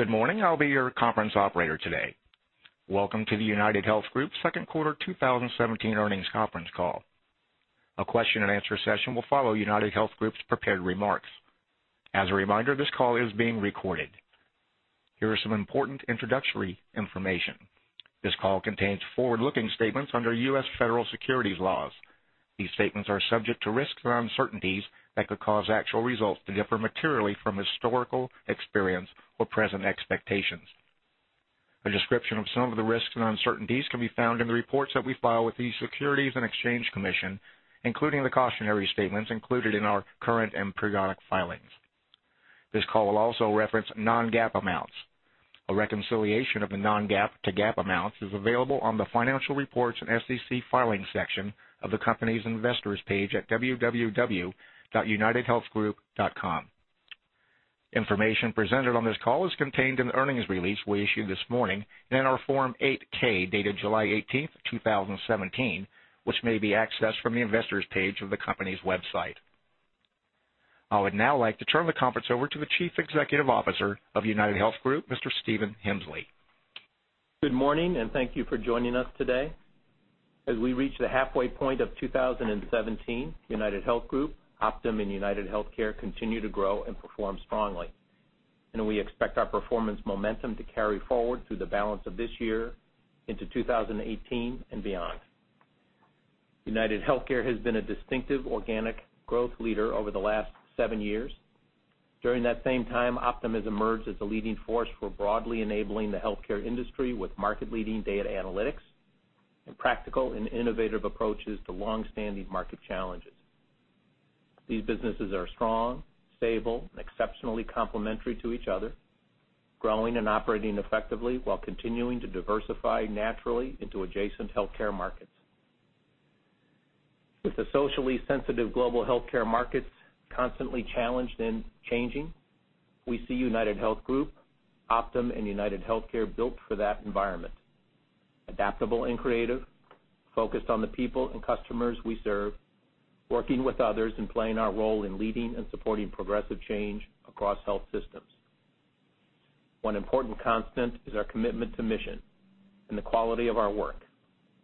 Good morning. I'll be your conference operator today. Welcome to the UnitedHealth Group second quarter 2017 earnings conference call. A question and answer session will follow UnitedHealth Group's prepared remarks. As a reminder, this call is being recorded. Here are some important introductory information. This call contains forward-looking statements under U.S. federal securities laws. These statements are subject to risks and uncertainties that could cause actual results to differ materially from historical experience or present expectations. A description of some of the risks and uncertainties can be found in the reports that we file with the Securities and Exchange Commission, including the cautionary statements included in our current and periodic filings. This call will also reference non-GAAP amounts. A reconciliation of the non-GAAP to GAAP amounts is available on the financial reports and SEC filings section of the company's investors page at www.unitedhealthgroup.com. Information presented on this call is contained in the earnings release we issued this morning and in our Form 8-K, dated July 18, 2017, which may be accessed from the investors page of the company's website. I would now like to turn the conference over to the Chief Executive Officer of UnitedHealth Group, Mr. Stephen Hemsley. Good morning, thank you for joining us today. As we reach the halfway point of 2017, UnitedHealth Group, Optum and UnitedHealthcare continue to grow and perform strongly. We expect our performance momentum to carry forward through the balance of this year into 2018 and beyond. UnitedHealthcare has been a distinctive organic growth leader over the last seven years. During that same time, Optum has emerged as a leading force for broadly enabling the healthcare industry with market-leading data analytics and practical and innovative approaches to longstanding market challenges. These businesses are strong, stable, and exceptionally complementary to each other, growing and operating effectively while continuing to diversify naturally into adjacent healthcare markets. With the socially sensitive global healthcare markets constantly challenged and changing, we see UnitedHealth Group, Optum, and UnitedHealthcare built for that environment. Adaptable and creative, focused on the people and customers we serve, working with others and playing our role in leading and supporting progressive change across health systems. One important constant is our commitment to mission and the quality of our work,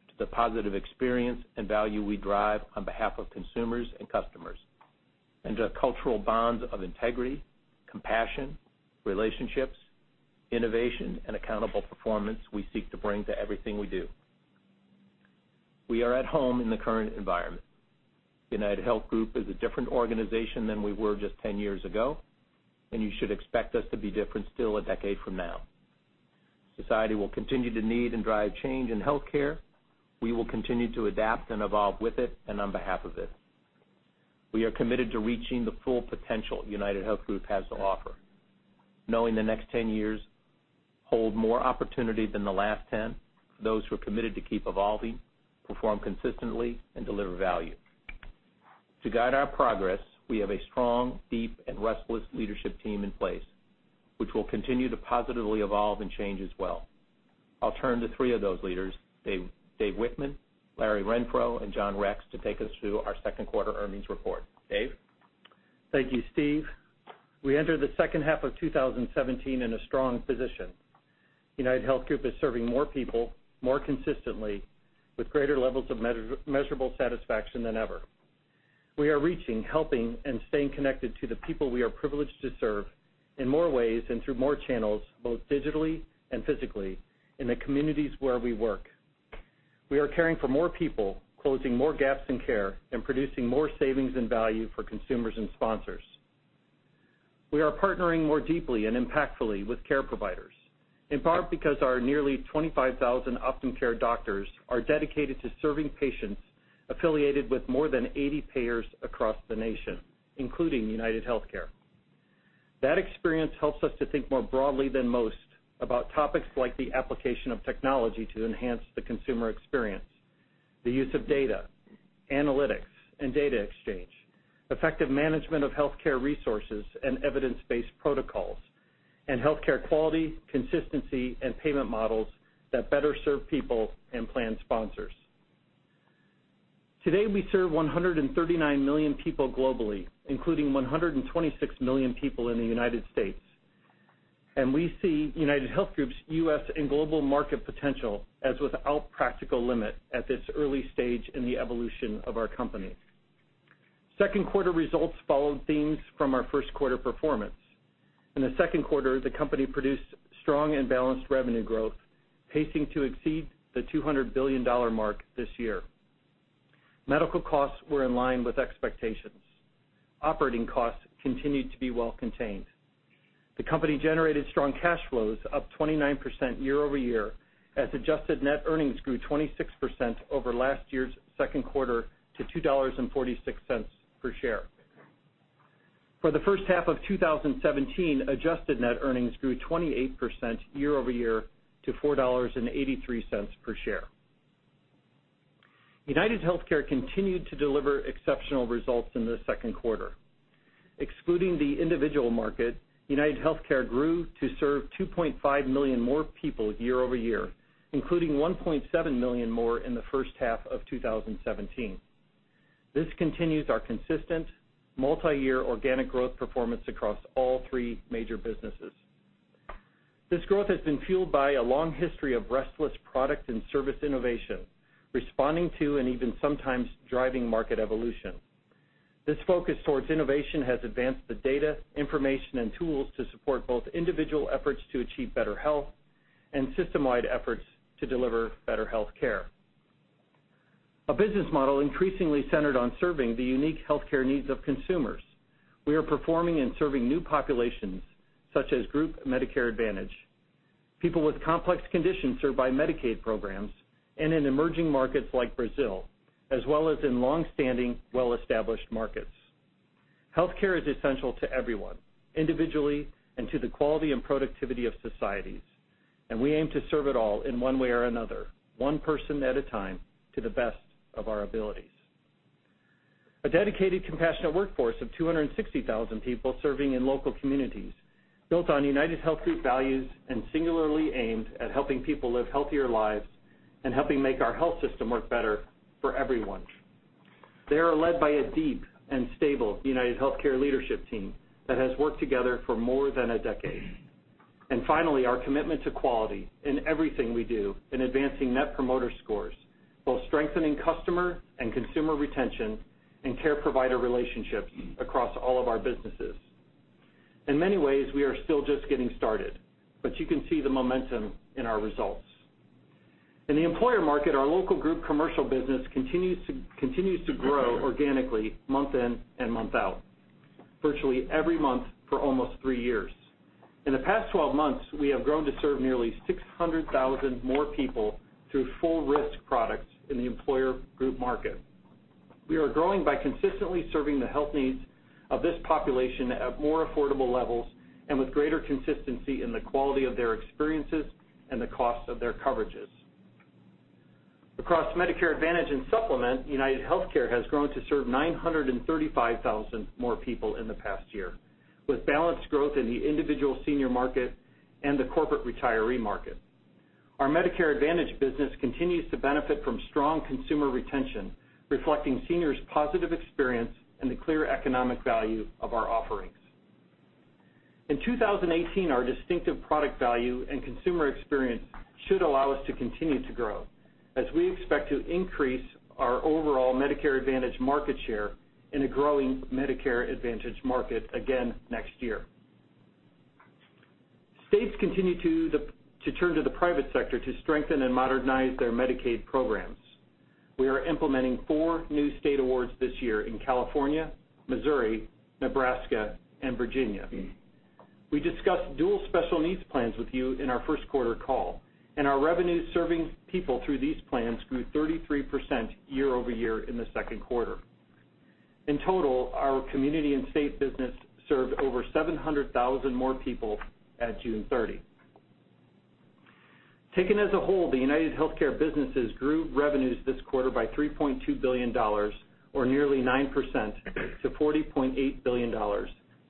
to the positive experience and value we drive on behalf of consumers and customers, and to cultural bonds of integrity, compassion, relationships, innovation, and accountable performance we seek to bring to everything we do. We are at home in the current environment. UnitedHealth Group is a different organization than we were just 10 years ago, you should expect us to be different still a decade from now. Society will continue to need and drive change in healthcare. We will continue to adapt and evolve with it and on behalf of it. We are committed to reaching the full potential UnitedHealth Group has to offer, knowing the next 10 years hold more opportunity than the last 10 for those who are committed to keep evolving, perform consistently and deliver value. To guide our progress, we have a strong, deep, and restless leadership team in place, which will continue to positively evolve and change as well. I'll turn to three of those leaders, Dave Wichmann, Larry Renfro, and John Rex, to take us through our second quarter earnings report. Dave? Thank you, Steve. We enter the second half of 2017 in a strong position. UnitedHealth Group is serving more people, more consistently, with greater levels of measurable satisfaction than ever. We are reaching, helping, and staying connected to the people we are privileged to serve in more ways and through more channels, both digitally and physically, in the communities where we work. We are caring for more people, closing more gaps in care, and producing more savings and value for consumers and sponsors. We are partnering more deeply and impactfully with care providers, in part because our nearly 25,000 Optum Care doctors are dedicated to serving patients affiliated with more than 80 payers across the nation, including UnitedHealthcare. That experience helps us to think more broadly than most about topics like the application of technology to enhance the consumer experience, the use of data, analytics, and data exchange, effective management of healthcare resources and evidence-based protocols, and healthcare quality, consistency, and payment models that better serve people and plan sponsors. Today, we serve 139 million people globally, including 126 million people in the United States, and we see UnitedHealth Group's US and global market potential as without practical limit at this early stage in the evolution of our company. Second quarter results followed themes from our first quarter performance. In the second quarter, the company produced strong and balanced revenue growth, pacing to exceed the $200 billion mark this year. Medical costs were in line with expectations. Operating costs continued to be well contained. The company generated strong cash flows, up 29% year-over-year, as adjusted net earnings grew 26% over last year's second quarter to $2.46 per share. For the first half of 2017, adjusted net earnings grew 28% year-over-year to $4.83 per share. UnitedHealthcare continued to deliver exceptional results in the second quarter. Excluding the individual market, UnitedHealthcare grew to serve 2.5 million more people year-over-year, including 1.7 million more in the first half of 2017. This continues our consistent multi-year organic growth performance across all three major businesses. This growth has been fueled by a long history of restless product and service innovation, responding to and even sometimes driving market evolution. This focus towards innovation has advanced the data, information, and tools to support both individual efforts to achieve better health and system-wide efforts to deliver better healthcare. A business model increasingly centered on serving the unique healthcare needs of consumers. We are performing and serving new populations such as group Medicare Advantage, people with complex conditions served by Medicaid programs, and in emerging markets like Brazil, as well as in longstanding, well-established markets. Healthcare is essential to everyone, individually and to the quality and productivity of societies, and we aim to serve it all in one way or another, one person at a time, to the best of our abilities. A dedicated, compassionate workforce of 260,000 people serving in local communities, built on UnitedHealth Group values and singularly aimed at helping people live healthier lives and helping make our health system work better for everyone. They are led by a deep and stable UnitedHealthcare leadership team that has worked together for more than a decade. Finally, our commitment to quality in everything we do in advancing Net Promoter Scores, both strengthening customer and consumer retention and care provider relationships across all of our businesses. In many ways, we are still just getting started, but you can see the momentum in our results. In the employer market, our local group commercial business continues to grow organically month in and month out, virtually every month for almost three years. In the past 12 months, we have grown to serve nearly 600,000 more people through full risk products in the employer group market. We are growing by consistently serving the health needs of this population at more affordable levels and with greater consistency in the quality of their experiences and the cost of their coverages. Across Medicare Advantage and Supplement, UnitedHealthcare has grown to serve 935,000 more people in the past year, with balanced growth in the individual senior market and the corporate retiree market. Our Medicare Advantage business continues to benefit from strong consumer retention, reflecting seniors' positive experience and the clear economic value of our offerings. In 2018, our distinctive product value and consumer experience should allow us to continue to grow as we expect to increase our overall Medicare Advantage market share in a growing Medicare Advantage market again next year. States continue to turn to the private sector to strengthen and modernize their Medicaid programs. We are implementing four new state awards this year in California, Missouri, Nebraska, and Virginia. We discussed dual special needs plans with you in our first quarter call, and our revenues serving people through these plans grew 33% year-over-year in the second quarter. In total, our community and state business served over 700,000 more people at June 30. Taken as a whole, the UnitedHealthcare businesses grew revenues this quarter by $3.2 billion or nearly 9% to $40.8 billion,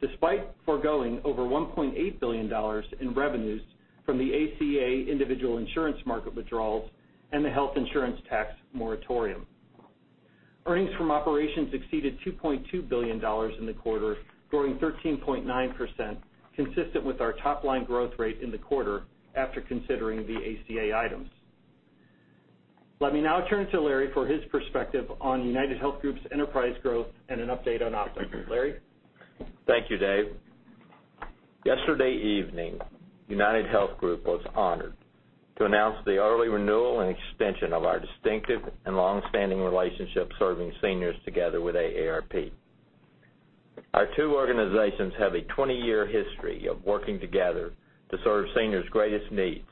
despite foregoing over $1.8 billion in revenues from the ACA individual insurance market withdrawals and the health insurance provider fee moratorium. Earnings from operations exceeded $2.2 billion in the quarter, growing 13.9%, consistent with our top-line growth rate in the quarter after considering the ACA items. Let me now turn to Larry for his perspective on UnitedHealth Group's enterprise growth and an update on Optum. Larry? Thank you, Dave. Yesterday evening, UnitedHealth Group was honored to announce the early renewal and extension of our distinctive and long-standing relationship serving seniors together with AARP. Our two organizations have a 20-year history of working together to serve seniors' greatest needs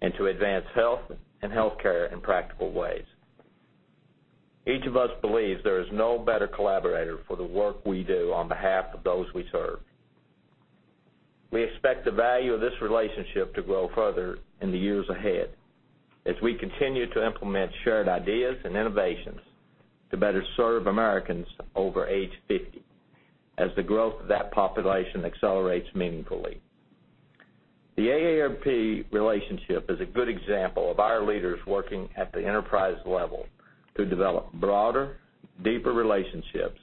and to advance health and healthcare in practical ways. Each of us believes there is no better collaborator for the work we do on behalf of those we serve. We expect the value of this relationship to grow further in the years ahead as we continue to implement shared ideas and innovations to better serve Americans over age 50, as the growth of that population accelerates meaningfully. The AARP relationship is a good example of our leaders working at the enterprise level to develop broader, deeper relationships,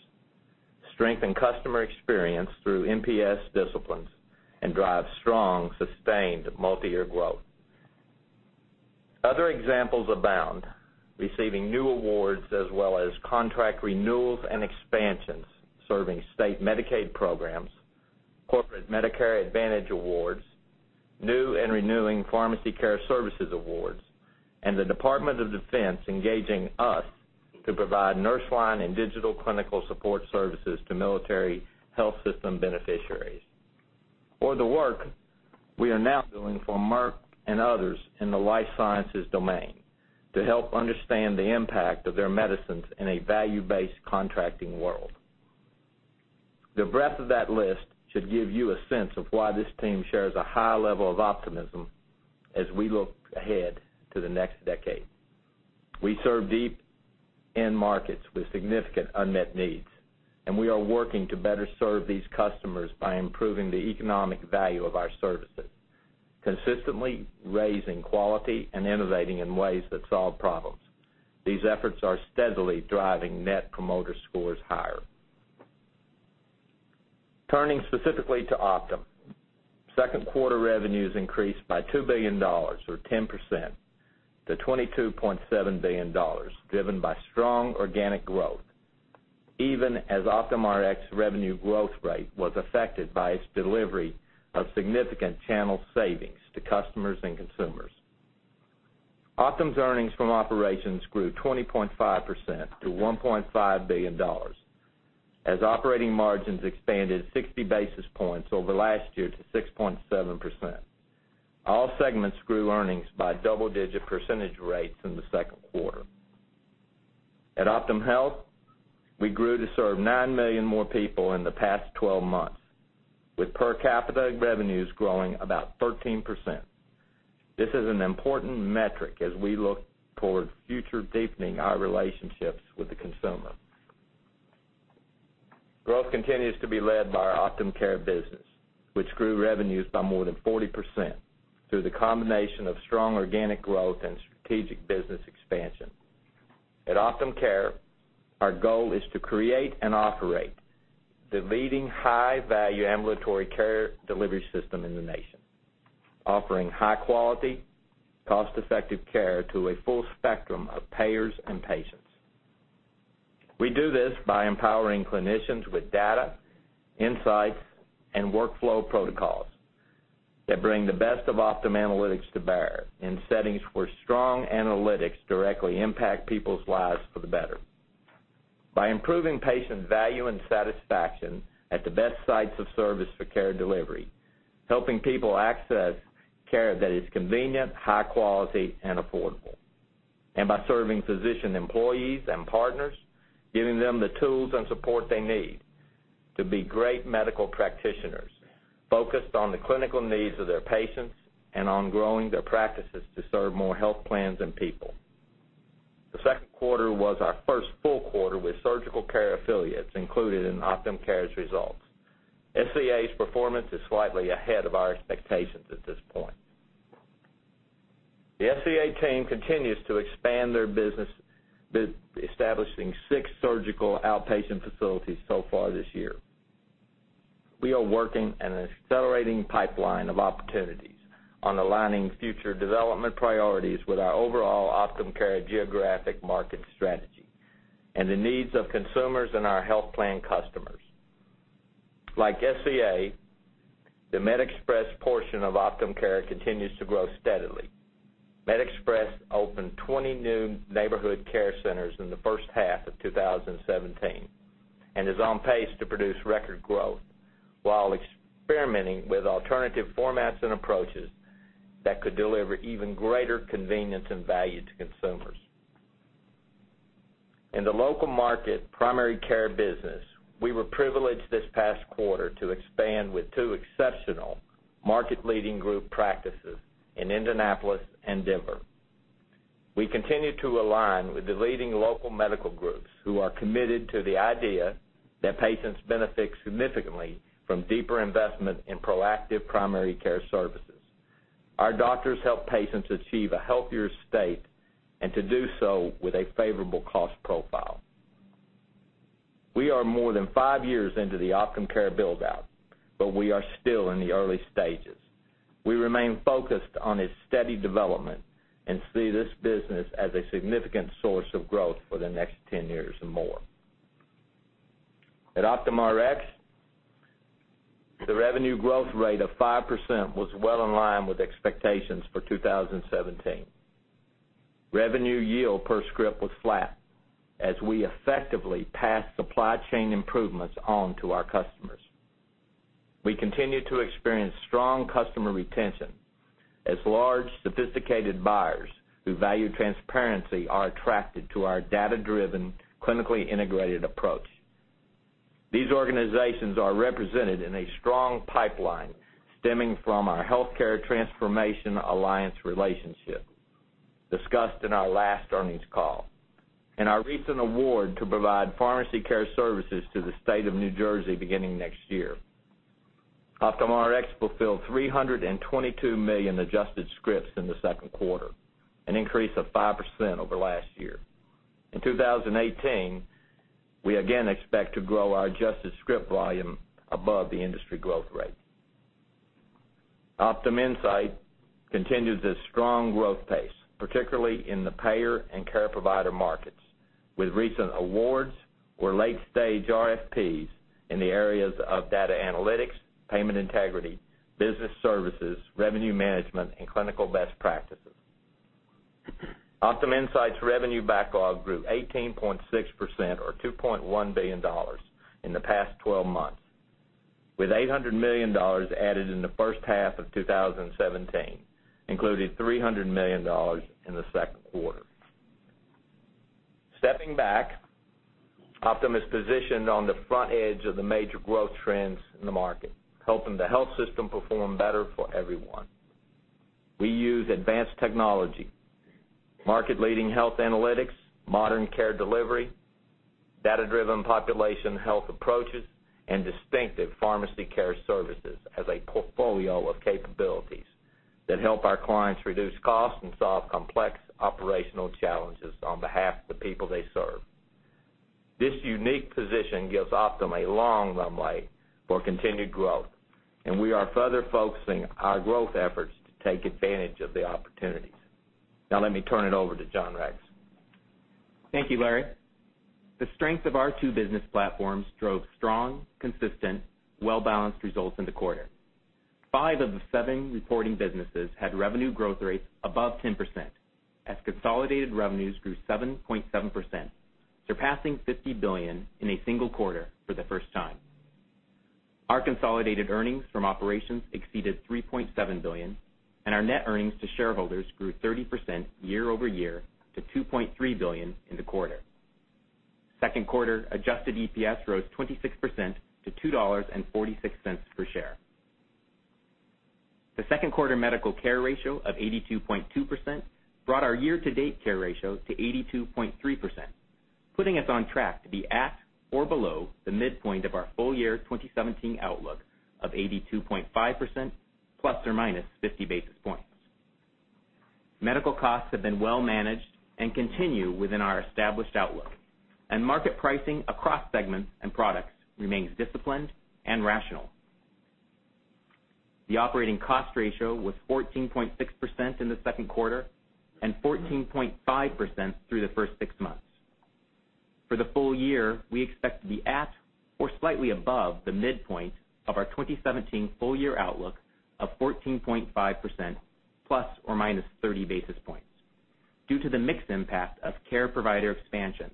strengthen customer experience through NPS disciplines, and drive strong, sustained multi-year growth. Other examples abound, receiving new awards as well as contract renewals and expansions serving state Medicaid programs, corporate Medicare Advantage awards, new and renewing pharmacy care services awards, and the Department of Defense engaging us to provide nurse line and digital clinical support services to military health system beneficiaries. Or the work we are now doing for Merck and others in the life sciences domain to help understand the impact of their medicines in a value-based contracting world. The breadth of that list should give you a sense of why this team shares a high level of optimism as we look ahead to the next decade. We serve deep end markets with significant unmet needs, and we are working to better serve these customers by improving the economic value of our services Consistently raising quality and innovating in ways that solve problems. These efforts are steadily driving Net Promoter Scores higher. Turning specifically to Optum, second quarter revenues increased by $2 billion or 10% to $22.7 billion, driven by strong organic growth even as Optum Rx revenue growth rate was affected by its delivery of significant channel savings to customers and consumers. Optum's earnings from operations grew 20.5% to $1.5 billion, as operating margins expanded 60 basis points over last year to 6.7%. All segments grew earnings by double-digit percentage rates in the second quarter. At Optum Health, we grew to serve 9 million more people in the past 12 months with per capita revenues growing about 13%. This is an important metric as we look toward future deepening our relationships with the consumer. Growth continues to be led by our Optum Care business, which grew revenues by more than 40% through the combination of strong organic growth and strategic business expansion. At Optum Care, our goal is to create and operate the leading high-value ambulatory care delivery system in the nation, offering high-quality, cost-effective care to a full spectrum of payers and patients. We do this by empowering clinicians with data, insights, and workflow protocols that bring the best of Optum analytics to bear in settings where strong analytics directly impact people's lives for the better by improving patient value and satisfaction at the best sites of service for care delivery, helping people access care that is convenient, high quality, and affordable, and by serving physician employees and partners, giving them the tools and support they need to be great medical practitioners focused on the clinical needs of their patients and on growing their practices to serve more health plans and people. The second quarter was our first full quarter with Surgical Care Affiliates included in Optum Care's results. SCA's performance is slightly ahead of our expectations at this point. The SCA team continues to expand their business, establishing six surgical outpatient facilities so far this year. We are working an accelerating pipeline of opportunities on aligning future development priorities with our overall Optum Care geographic market strategy and the needs of consumers and our health plan customers. Like SCA, the MedExpress portion of Optum Care continues to grow steadily. MedExpress opened 20 new neighborhood care centers in the first half of 2017 and is on pace to produce record growth while experimenting with alternative formats and approaches that could deliver even greater convenience and value to consumers. In the local market primary care business, we were privileged this past quarter to expand with two exceptional market-leading group practices in Indianapolis and Denver. We continue to align with the leading local medical groups who are committed to the idea that patients benefit significantly from deeper investment in proactive primary care services. Our doctors help patients achieve a healthier state and to do so with a favorable cost profile. We are more than five years into the Optum Care build-out, but we are still in the early stages. We remain focused on its steady development and see this business as a significant source of growth for the next 10 years or more. At Optum Rx, the revenue growth rate of 5% was well in line with expectations for 2017. Revenue yield per script was flat as we effectively passed supply chain improvements on to our customers. We continue to experience strong customer retention as large, sophisticated buyers who value transparency are attracted to our data-driven, clinically integrated approach. These organizations are represented in a strong pipeline stemming from our Health Transformation Alliance relationship discussed in our last earnings call and our recent award to provide pharmacy care services to the state of New Jersey beginning next year. Optum Rx fulfilled 322 million adjusted scripts in the second quarter, an increase of 5% over last year. In 2018, we again expect to grow our adjusted script volume above the industry growth rate. OptumInsight continues its strong growth pace, particularly in the payer and care provider markets, with recent awards or late-stage RFPs in the areas of data analytics, payment integrity, business services, revenue management, and clinical best practices. OptumInsight's revenue backlog grew 18.6%, or $2.1 billion, in the past 12 months, with $800 million added in the first half of 2017, including $300 million in the second quarter. Stepping back, Optum is positioned on the front edge of the major growth trends in the market, helping the health system perform better for everyone. We use advanced technology, market-leading health analytics, modern care delivery, data-driven population health approaches, and distinctive pharmacy care services as a portfolio of capabilities that help our clients reduce costs and solve complex operational challenges on behalf of the people they serve. This unique position gives Optum a long runway for continued growth, we are further focusing our growth efforts to take advantage of the opportunities. Now let me turn it over to John Rex. Thank you, Larry. The strength of our two business platforms drove strong, consistent, well-balanced results in the quarter. Five of the seven reporting businesses had revenue growth rates above 10%, as consolidated revenues grew 7.7%, surpassing $50 billion in a single quarter for the first time. Our consolidated earnings from operations exceeded $3.7 billion, and our net earnings to shareholders grew 30% year-over-year to $2.3 billion in the quarter. Second quarter adjusted EPS rose 26% to $2.46 per share. The second quarter medical care ratio of 82.2% brought our year-to-date care ratio to 82.3%, putting us on track to be at or below the midpoint of our full year 2017 outlook of 82.5% ±50 basis points. Medical costs have been well managed and continue within our established outlook, and market pricing across segments and products remains disciplined and rational. The operating cost ratio was 14.6% in the second quarter, and 14.5% through the first six months. For the full year, we expect to be at or slightly above the midpoint of our 2017 full year outlook of 14.5% ±30 basis points, due to the mixed impact of care provider expansion,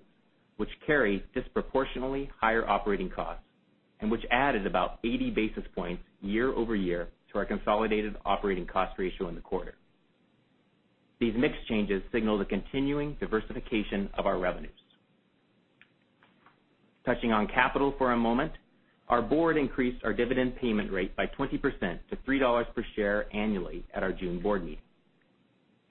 which carries disproportionately higher operating costs and which added about 80 basis points year-over-year to our consolidated operating cost ratio in the quarter. These mixed changes signal the continuing diversification of our revenues. Touching on capital for a moment, our board increased our dividend payment rate by 20% to $3 per share annually at our June board meeting,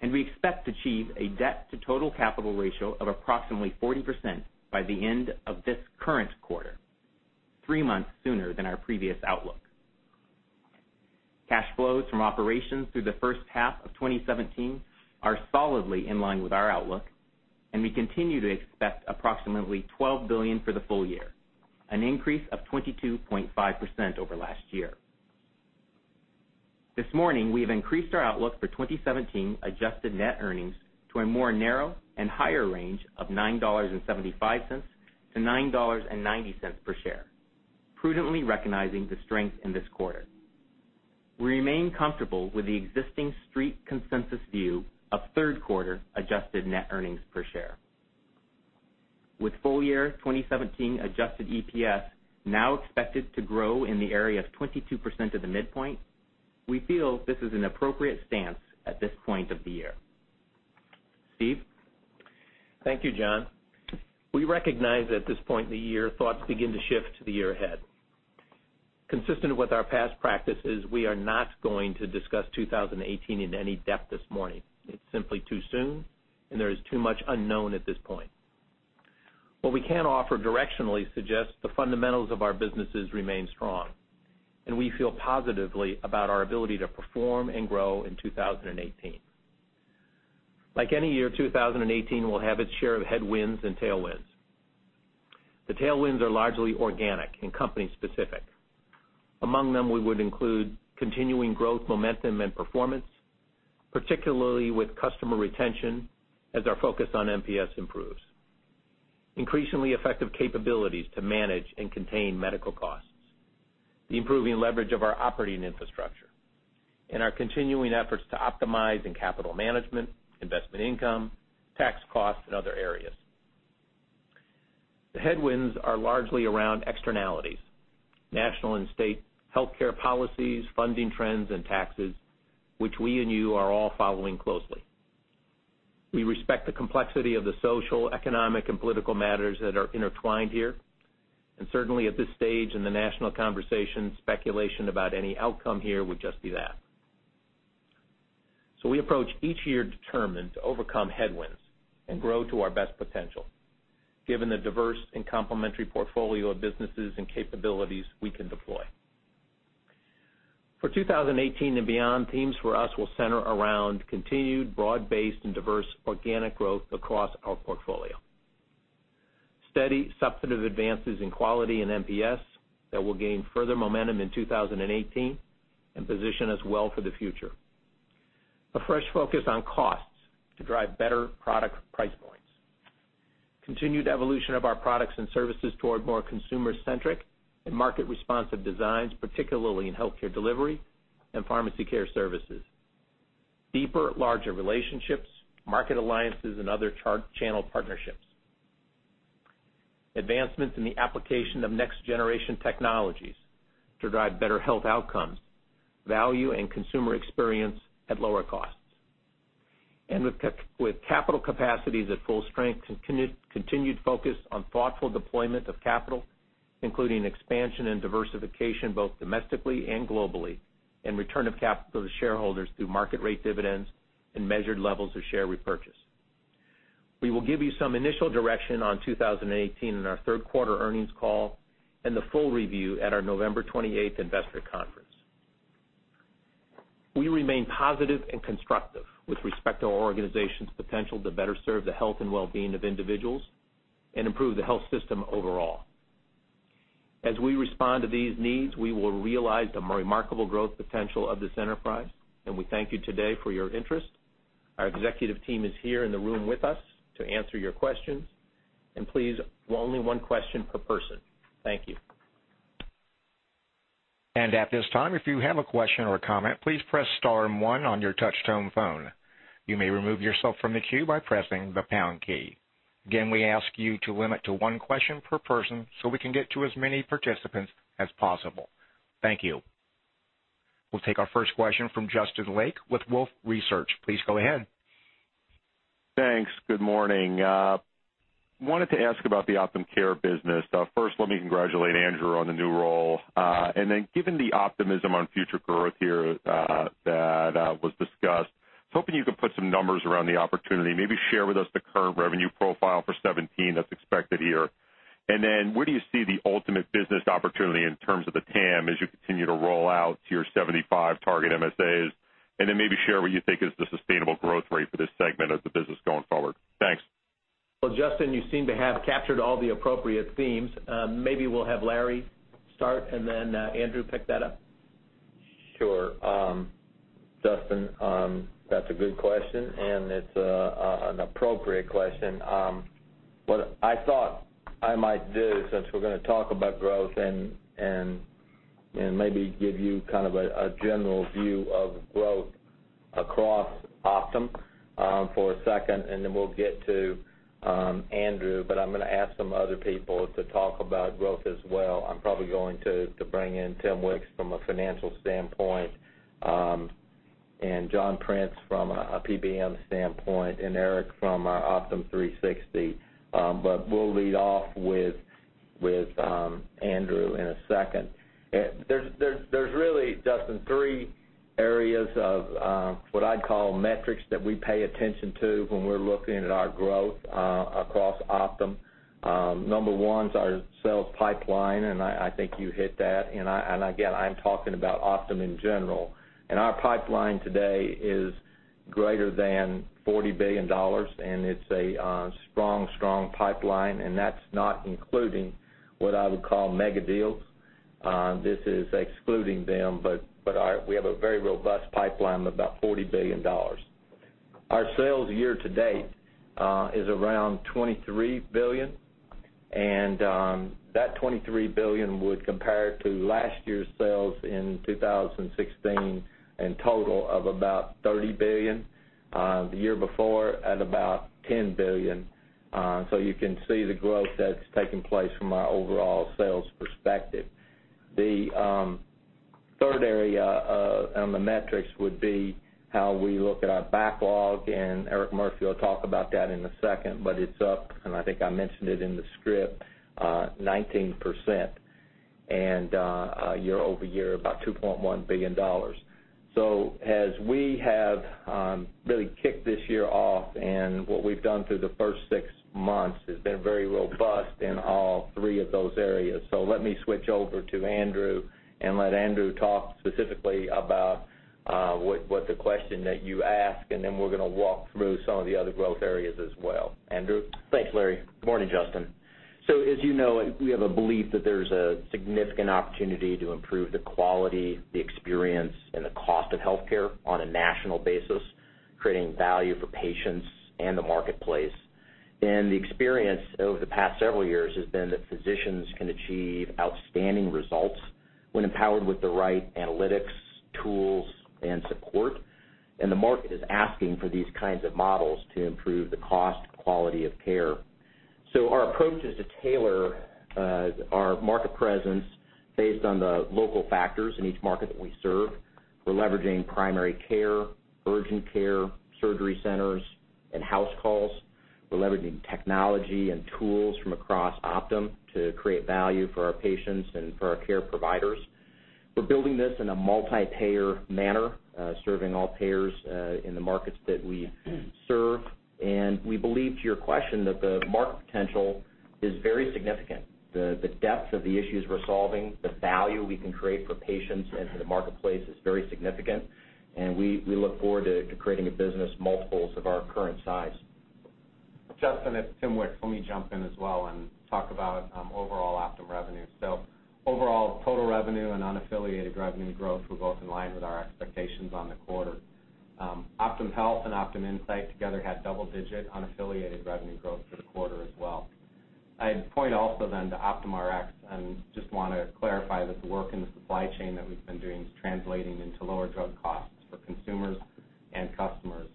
and we expect to achieve a debt to total capital ratio of approximately 40% by the end of this current quarter, three months sooner than our previous outlook. Cash flows from operations through the first half of 2017 are solidly in line with our outlook, and we continue to expect approximately $12 billion for the full year, an increase of 22.5% over last year. This morning, we have increased our outlook for 2017 adjusted net earnings to a more narrow and higher range of $9.75-$9.90 per share, prudently recognizing the strength in this quarter. We remain comfortable with the existing Street consensus view of third quarter adjusted net earnings per share. With full year 2017 adjusted EPS now expected to grow in the area of 22% at the midpoint, we feel this is an appropriate stance at this point of the year. Steve? Thank you, John Rex. We recognize at this point in the year, thoughts begin to shift to the year ahead. Consistent with our past practices, we are not going to discuss 2018 in any depth this morning. It's simply too soon, and there is too much unknown at this point. What we can offer directionally suggests the fundamentals of our businesses remain strong, and we feel positively about our ability to perform and grow in 2018. Like any year, 2018 will have its share of headwinds and tailwinds. The tailwinds are largely organic and company specific. Among them, we would include continuing growth momentum and performance, particularly with customer retention as our focus on NPS improves. Increasingly effective capabilities to manage and contain medical costs, the improving leverage of our operating infrastructure, and our continuing efforts to optimize in capital management, investment income, tax costs and other areas. The headwinds are largely around externalities, national and state healthcare policies, funding trends and taxes, which we and you are all following closely. We respect the complexity of the social, economic, and political matters that are intertwined here, certainly at this stage in the national conversation, speculation about any outcome here would just be that. We approach each year determined to overcome headwinds and grow to our best potential, given the diverse and complementary portfolio of businesses and capabilities we can deploy. For 2018 and beyond, themes for us will center around continued broad-based and diverse organic growth across our portfolio. Steady, substantive advances in quality and NPS that will gain further momentum in 2018 and position us well for the future. A fresh focus on costs to drive better product price points. Continued evolution of our products and services toward more consumer-centric and market-responsive designs, particularly in healthcare delivery and pharmacy care services. Deeper, larger relationships, market alliances, and other channel partnerships. Advancements in the application of next-generation technologies to drive better health outcomes, value, and consumer experience at lower costs. With capital capacities at full strength, continued focus on thoughtful deployment of capital Including expansion and diversification, both domestically and globally, and return of capital to shareholders through market rate dividends and measured levels of share repurchase. We will give you some initial direction on 2018 in our third quarter earnings call and the full review at our November 28th investor conference. We remain positive and constructive with respect to our organization's potential to better serve the health and wellbeing of individuals and improve the health system overall. As we respond to these needs, we will realize the remarkable growth potential of this enterprise, and we thank you today for your interest. Our executive team is here in the room with us to answer your questions. Please, only one question per person. Thank you. At this time, if you have a question or comment, please press star and one on your touch-tone phone. You may remove yourself from the queue by pressing the pound key. Again, we ask you to limit to one question per person so we can get to as many participants as possible. Thank you. We will take our first question from Justin Lake with Wolfe Research. Please go ahead. Thanks. Good morning. I wanted to ask about the Optum Care business. First, let me congratulate Andrew on the new role. Given the optimism on future growth here that was discussed, I was hoping you could put some numbers around the opportunity, maybe share with us the current revenue profile for 2017 that's expected here. Where do you see the ultimate business opportunity in terms of the TAM as you continue to roll out to your 75 target MSAs? Maybe share what you think is the sustainable growth rate for this segment of the business going forward. Thanks. Well, Justin, you seem to have captured all the appropriate themes. Maybe we'll have Larry start, and then Andrew pick that up. Sure. Justin, that's a good question, and it's an appropriate question. What I thought I might do, since we're going to talk about growth and maybe give you a general view of growth across Optum for a second, and then we'll get to Andrew. I'm going to ask some other people to talk about growth as well. I'm probably going to bring in Tim Wicks from a financial standpoint, and John Prince from a PBM standpoint, and Eric from our Optum360. We'll lead off with Andrew in a second. There's really, Justin, three areas of what I'd call metrics that we pay attention to when we're looking at our growth across Optum. Number one's our sales pipeline, and I think you hit that. Again, I'm talking about Optum in general. Our pipeline today is greater than $40 billion, and it's a strong pipeline. That's not including what I would call mega deals. This is excluding them, but we have a very robust pipeline of about $40 billion. Our sales year to date is around $23 billion, and that $23 billion would compare to last year's sales in 2016, in total, of about $30 billion. The year before at about $10 billion. You can see the growth that's taken place from our overall sales perspective. The third area on the metrics would be how we look at our backlog, and Eric Murphy will talk about that in a second. It's up, and I think I mentioned it in the script, 19%, and year-over-year, about $2.1 billion. As we have really kicked this year off, and what we've done through the first six months has been very robust in all three of those areas. Let me switch over to Andrew and let Andrew talk specifically about what the question that you asked, then we're going to walk through some of the other growth areas as well. Andrew? Thanks, Larry. Good morning, Justin. As you know, we have a belief that there's a significant opportunity to improve the quality, the experience, and the cost of healthcare on a national basis, creating value for patients and the marketplace. The experience over the past several years has been that physicians can achieve outstanding results when empowered with the right analytics, tools, and support. The market is asking for these kinds of models to improve the cost quality of care. Our approach is to tailor our market presence based on the local factors in each market that we serve. We're leveraging primary care, urgent care, surgery centers, and house calls. We're leveraging technology and tools from across Optum to create value for our patients and for our care providers. We're building this in a multi-payer manner, serving all payers in the markets that we serve. We believe, to your question, that the market potential is very significant. The depth of the issues we're solving, the value we can create for patients and for the marketplace is very significant. We look forward to creating a business multiples of our current size. Justin, it's Tim Wicks. Let me jump in as well and talk about overall Optum revenue. Overall, total revenue and unaffiliated revenue growth were both in line with our expectations on the quarter. Optum Health and OptumInsight together had double-digit unaffiliated revenue growth for the quarter as well. I'd point also then to Optum Rx and just want to clarify that the work in the supply chain that we've been doing is translating into lower drug costs for consumers and customers.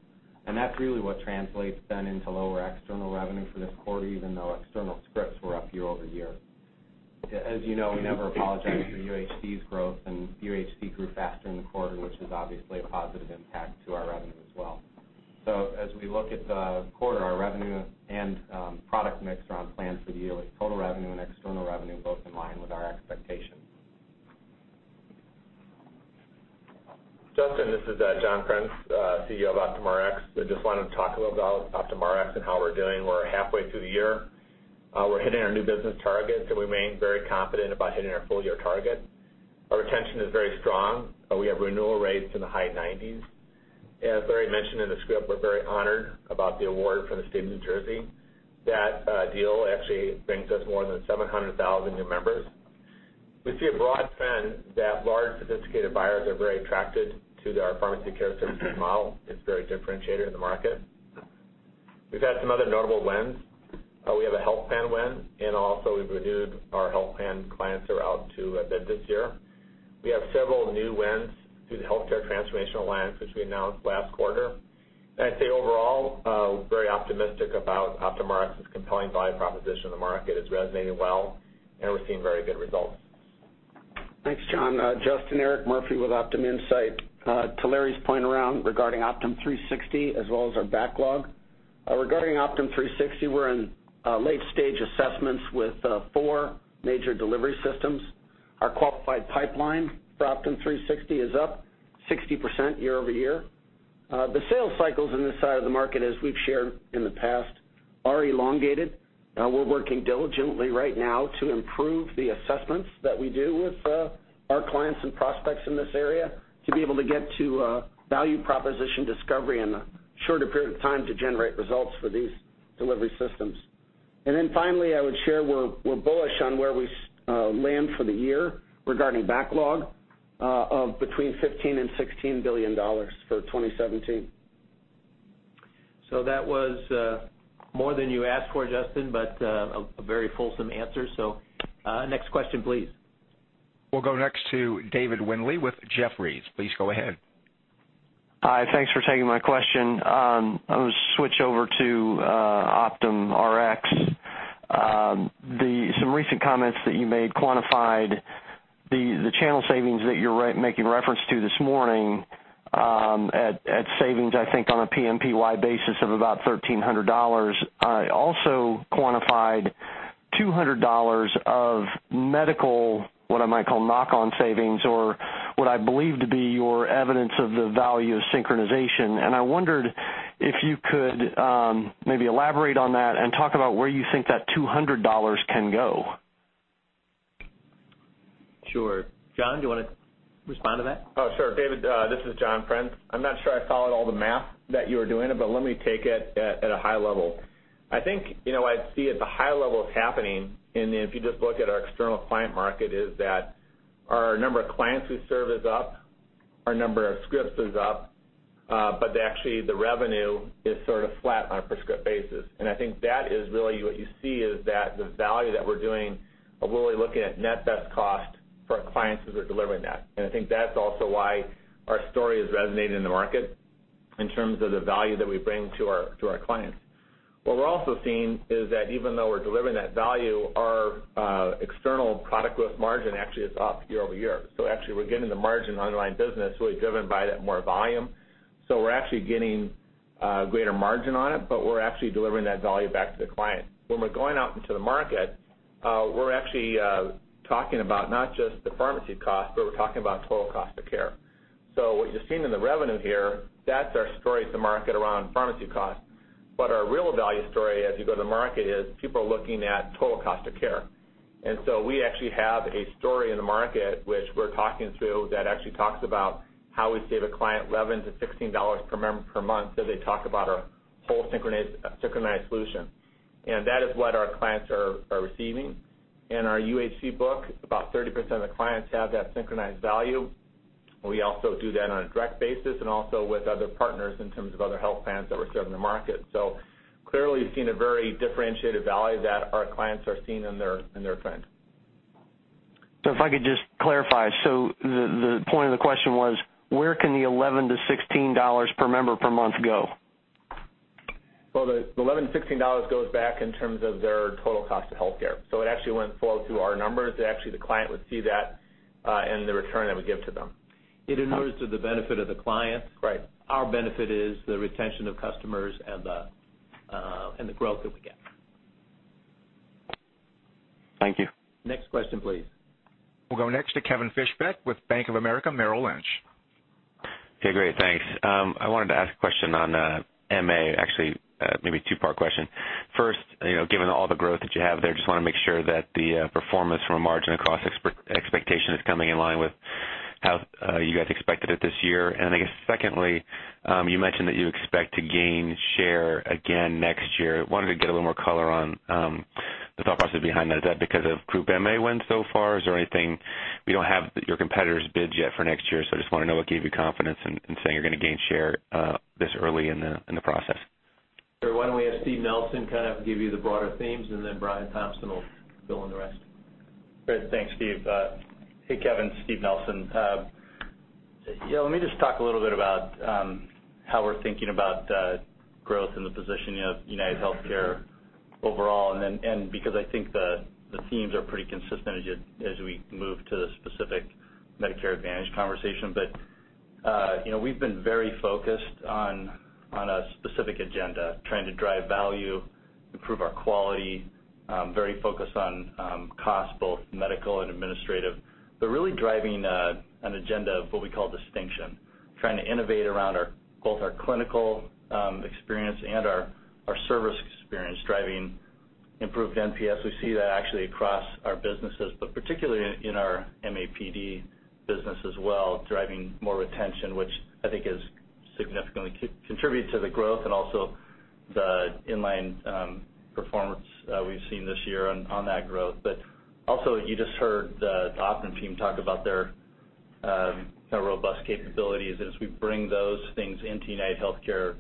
That's really what translates then into lower external revenue for this quarter, even though external scripts were up year-over-year. As you know, we never apologize for UHC's growth, UHC grew faster in the quarter, which is obviously a positive impact to our revenue as well. As we look at the quarter, our revenue and product mix are on plan for the year, with total revenue and external revenue both in line with our expectations. Justin, this is John Prince, CEO of Optum Rx. I just wanted to talk a little about Optum Rx and how we're doing. We're halfway through the year. We're hitting our new business targets, and we remain very confident about hitting our full-year target. Our retention is very strong. We have renewal rates in the high 90s. As Larry mentioned in the script, we're very honored about the award from the state of New Jersey. That deal actually brings us more than 700,000 new members. We see a broad trend that large, sophisticated buyers are very attracted to our pharmacy care services model. It's very differentiated in the market. We've had some other notable wins. We have a health plan win, and also we've renewed our health plan clients throughout this year. We have several new wins through the healthcare transformational lens, which we announced last quarter. I'd say, overall, very optimistic about Optum Rx's compelling value proposition in the market. It's resonating well, and we're seeing very good results. Thanks, John. Justin, Eric Murphy with OptumInsight. To Larry's point regarding Optum360, as well as our backlog. Regarding Optum360, we're in late stage assessments with four major delivery systems. Our qualified pipeline for Optum360 is up 60% year-over-year. The sales cycles in this side of the market, as we've shared in the past, are elongated. We're working diligently right now to improve the assessments that we do with our clients and prospects in this area to be able to get to value proposition discovery in a shorter period of time to generate results for these delivery systems. Then finally, I would share, we're bullish on where we land for the year regarding backlog of between $15 billion-$16 billion for 2017. That was more than you asked for, Justin, but a very fulsome answer. Next question, please. We'll go next to David Windley with Jefferies. Please go ahead. Hi. Thanks for taking my question. I'm going to switch over to Optum Rx. Some recent comments that you made quantified the channel savings that you're making reference to this morning at savings, I think on a PMPY basis of about $1,300. Also quantified $200 of medical, what I might call knock-on savings, or what I believe to be your evidence of the value of synchronization. I wondered if you could maybe elaborate on that and talk about where you think that $200 can go. Sure. John, do you want to respond to that? Oh, sure. David, this is John Prince. I'm not sure I followed all the math that you were doing, but let me take it at a high level. I think, what I see at the high level is happening, if you just look at our external client market, is that our number of clients we serve is up, our number of scripts is up, but actually the revenue is sort of flat on a per script basis. I think that is really what you see is that the value that we're doing of really looking at net best cost for our clients is we're delivering that. I think that's also why our story is resonating in the market in terms of the value that we bring to our clients. What we're also seeing is that even though we're delivering that value, our external product with margin actually is up year-over-year. Actually, we're getting the margin on our line business really driven by that more volume. We're actually getting greater margin on it, but we're actually delivering that value back to the client. When we're going out into the market, we're actually talking about not just the pharmacy cost, but we're talking about total cost of care. What you're seeing in the revenue here, that's our story to market around pharmacy cost. Our real value story as you go to the market is people are looking at total cost of care. We actually have a story in the market, which we're talking through, that actually talks about how we save a client $11-$16 per member per month as they talk about our whole synchronized solution. That is what our clients are receiving. In our UHC book, about 30% of the clients have that synchronized value. We also do that on a direct basis and also with other partners in terms of other health plans that we serve in the market. Clearly, seeing a very differentiated value that our clients are seeing in their trend. If I could just clarify. The point of the question was, where can the $11-$16 per member per month go? Well, the $11-$16 goes back in terms of their total cost of healthcare. It actually wouldn't flow through our numbers. The client would see that, and the return that we give to them. It accrues to the benefit of the client. Right. Our benefit is the retention of customers and the growth that we get. Thank you. Next question, please. We'll go next to Kevin Fischbeck with Bank of America Merrill Lynch. Okay, great. Thanks. I wanted to ask a question on MA. Actually, maybe a two-part question. First, given all the growth that you have there, just want to make sure that the performance from a margin across expectation is coming in line with how you guys expected it this year. I guess secondly, you mentioned that you expect to gain share again next year. Wanted to get a little more color on the thought process behind that. Is that because of group MA wins so far? We don't have your competitors' bids yet for next year, so I just want to know what gave you confidence in saying you're going to gain share this early in the process. Sure. Why don't we have Steve Nelson kind of give you the broader themes, and then Brian Thompson will fill in the rest. Great. Thanks, Steve. Hey, Kevin. Steve Nelson. Let me just talk a little bit about how we're thinking about growth in the position of UnitedHealthcare Overall, because I think the themes are pretty consistent as we move to the specific Medicare Advantage conversation. We've been very focused on a specific agenda, trying to drive value, improve our quality, very focused on cost, both medical and administrative, really driving an agenda of what we call distinction, trying to innovate around both our clinical experience and our service experience, driving improved NPS. We see that actually across our businesses, particularly in our MAPD business as well, driving more retention, which I think has significantly contributed to the growth and also the inline performance we've seen this year on that growth. Also, you just heard the Optum team talk about their robust capabilities, and as we bring those things into UnitedHealthcare,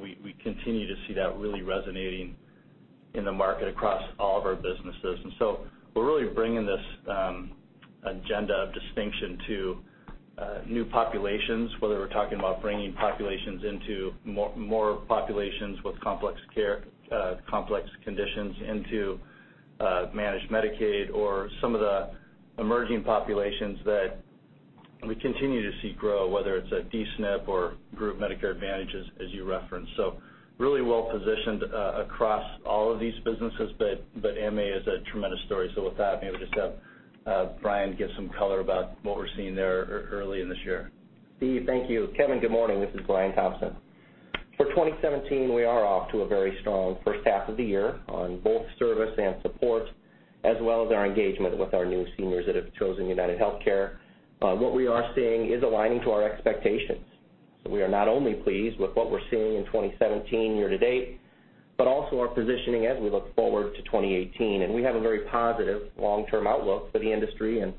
we continue to see that really resonating in the market across all of our businesses. We're really bringing this agenda of distinction to new populations, whether we're talking about bringing more populations with complex conditions into Managed Medicaid or some of the emerging populations that we continue to see grow, whether it's at D-SNP or group Medicare Advantage as you referenced. Really well positioned across all of these businesses, but MA is a tremendous story. With that, maybe we'll just have Brian give some color about what we're seeing there early in this year. Steve, thank you. Kevin, good morning. This is Brian Thompson. For 2017, we are off to a very strong first half of the year on both service and support, as well as our engagement with our new seniors that have chosen UnitedHealthcare. We are not only pleased with what we're seeing in 2017 year to date, but also our positioning as we look forward to 2018. We have a very positive long-term outlook for the industry and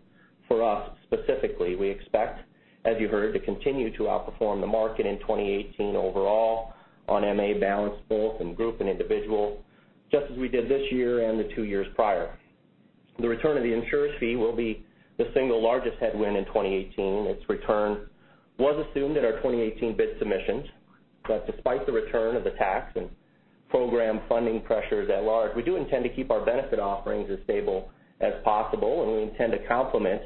for us specifically. We expect, as you heard, to continue to outperform the market in 2018 overall on MA balance, both in group and individual, just as we did this year and the two years prior. The return of the insurer fee will be the single largest headwind in 2018. Its return was assumed at our 2018 bid submissions. Despite the return of the tax and program funding pressures at large, we do intend to keep our benefit offerings as stable as possible. We intend to complement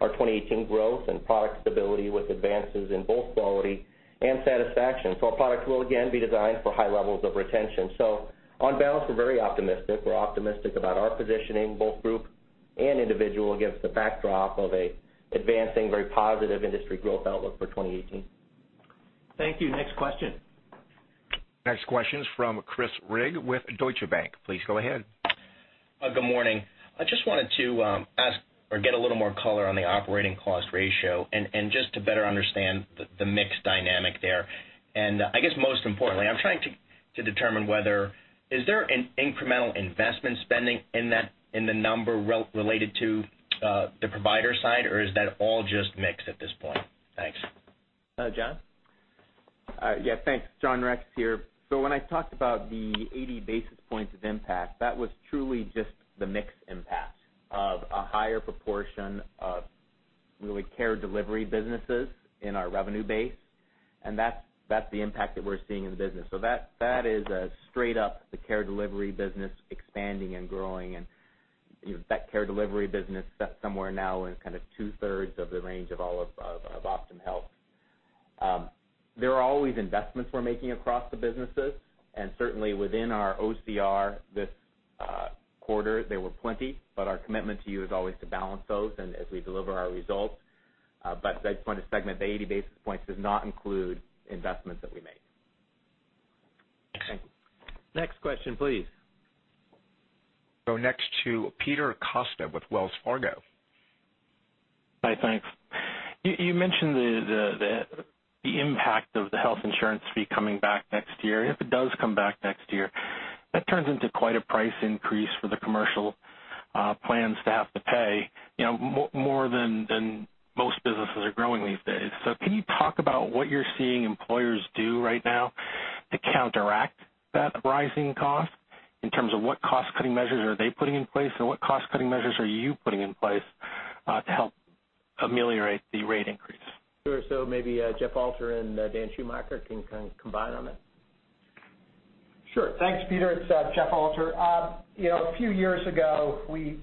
our 2018 growth and product stability with advances in both quality and satisfaction. Our products will again be designed for high levels of retention. On balance, we're very optimistic. We're optimistic about our positioning, both group and individual, against the backdrop of an advancing, very positive industry growth outlook for 2018. Thank you. Next question. Next question is from Chris Rigg with Deutsche Bank. Please go ahead. Good morning. I just wanted to ask or get a little more color on the operating cost ratio and just to better understand the mix dynamic there. I guess most importantly, I'm trying to determine whether, is there an incremental investment spending in the number related to the provider side, or is that all just mix at this point? Thanks. Jon? Yeah, thanks, John Rex here. When I talked about the 80 basis points of impact, that was truly just the mix impact of a higher proportion of really care delivery businesses in our revenue base, and that's the impact that we're seeing in the business. That is a straight up the care delivery business expanding and growing, and that care delivery business somewhere now in kind of two-thirds of the range of all of Optum Health. There are always investments we're making across the businesses, and certainly within our OCR this quarter, there were plenty, but our commitment to you is always to balance those and as we deliver our results. I just want to segment the 80 basis points does not include investments that we make. Thank you. Next question, please. Go next to Peter Costa with Wells Fargo. Hi, thanks. You mentioned the impact of the health insurance fee coming back next year. If it does come back next year, that turns into quite a price increase for the commercial plans to have to pay, more than most businesses are growing these days. Can you talk about what you're seeing employers do right now to counteract that rising cost in terms of what cost-cutting measures are they putting in place, and what cost-cutting measures are you putting in place to help ameliorate the rate increase? Sure. Maybe Jeff Alter and Daniel Schumacher can combine on that. Sure. Thanks, Peter. It's Jeff Alter. A few years ago, we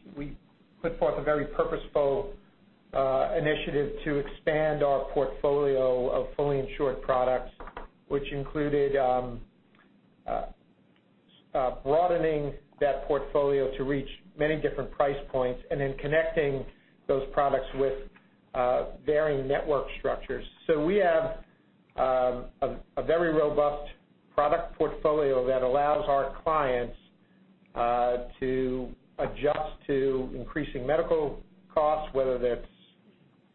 put forth a very purposeful initiative to expand our portfolio of fully insured products, which included broadening that portfolio to reach many different price points and then connecting those products with varying network structures. We have a very robust product portfolio that allows our clients to adjust to increasing medical costs, whether that's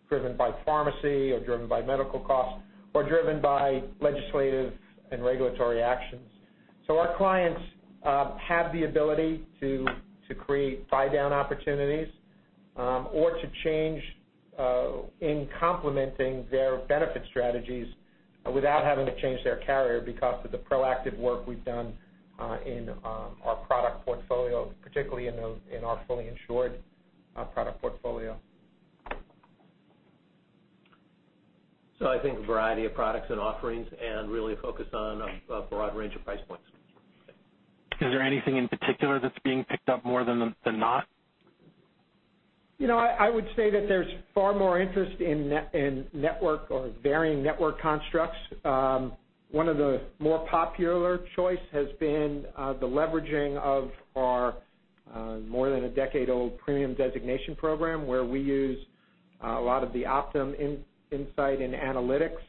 driven by pharmacy or driven by medical costs, or driven by legislative and regulatory actions. Our clients have the ability to create buy-down opportunities or to change in complementing their benefit strategies without having to change their carrier because of the proactive work we've done in our product portfolio, particularly in our fully insured product portfolio. I think a variety of products and offerings, and really a focus on a broad range of price points. Is there anything in particular that's being picked up more than not? I would say that there's far more interest in network or varying network constructs. One of the more popular choice has been the leveraging of our more than a decade-old Premium designation program, where we use a lot of the OptumInsight and analytics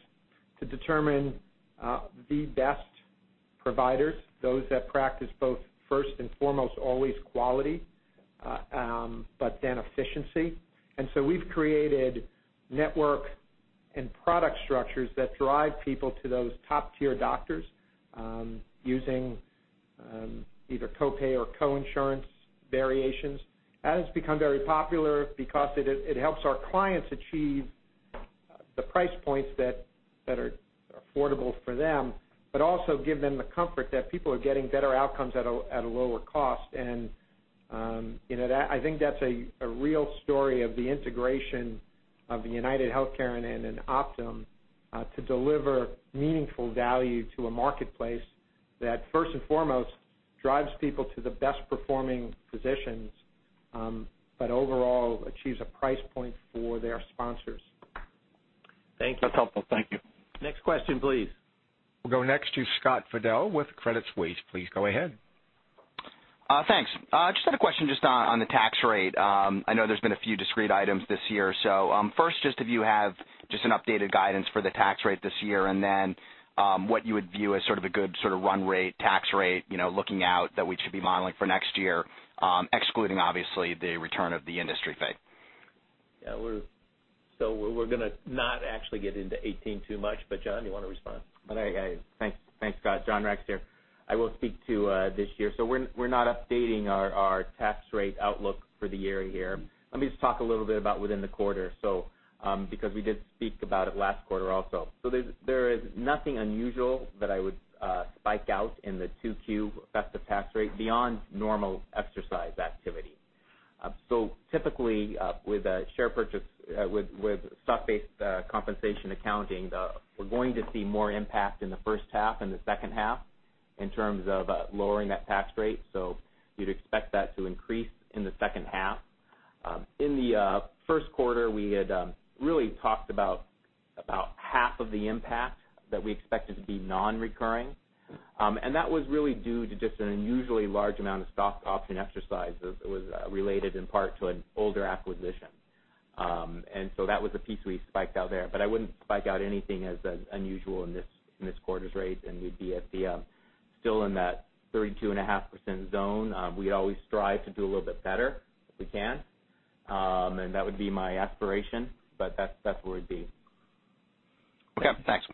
to determine the best providers, those that practice both first and foremost always quality, but then efficiency. We've created network and product structures that drive people to those top-tier doctors, using either copay or co-insurance variations. That has become very popular because it helps our clients achieve the price points that are affordable for them, but also give them the comfort that people are getting better outcomes at a lower cost. I think that's a real story of the integration of UnitedHealthcare and Optum to deliver meaningful value to a marketplace that first and foremost drives people to the best-performing physicians, but overall achieves a price point for their sponsors. Thank you. That's helpful. Thank you. Next question, please. We'll go next to Scott Fidel with Credit Suisse. Please go ahead. Thanks. Just had a question just on the tax rate. I know there's been a few discrete items this year. First, just if you have just an updated guidance for the tax rate this year, and then what you would view as sort of a good run rate, tax rate, looking out that we should be modeling for next year, excluding obviously the return of the industry fee. Yeah, we're going to not actually get into 2018 too much, John, you want to respond? All right, guys. Thanks, Scott. John Rex here. I will speak to this year. We're not updating our tax rate outlook for the year here. Let me just talk a little bit about within the quarter, because we did speak about it last quarter also. There is nothing unusual that I would spike out in the 2Q effective tax rate beyond normal exercise activity. Typically, with stock-based compensation accounting, we're going to see more impact in the first half than the second half in terms of lowering that tax rate. You'd expect that to increase in the second half. In the first quarter, we had really talked about half of the impact that we expected to be non-recurring. That was really due to just an unusually large amount of stock option exercises. It was related in part to an older acquisition. That was a piece we spiked out there. I wouldn't spike out anything as unusual in this quarter's rate, and we'd be still in that 32.5% zone. We always strive to do a little bit better if we can. That would be my aspiration, but that's where we'd be. Okay, thanks.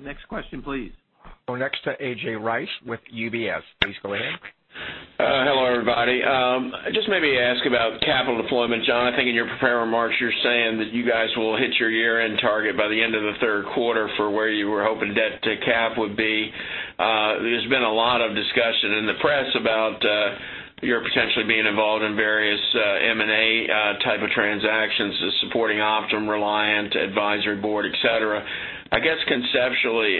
Next question, please. Go next to A.J. Rice with UBS. Please go ahead. Hello, everybody. Just maybe ask about capital deployment. John, I think in your prepared remarks, you're saying that you guys will hit your year-end target by the end of the third quarter for where you were hoping debt to cap would be. There's been a lot of discussion in the press about your potentially being involved in various M&A type of transactions, the supporting Optum, Reliant, advisory board, et cetera. I guess conceptually,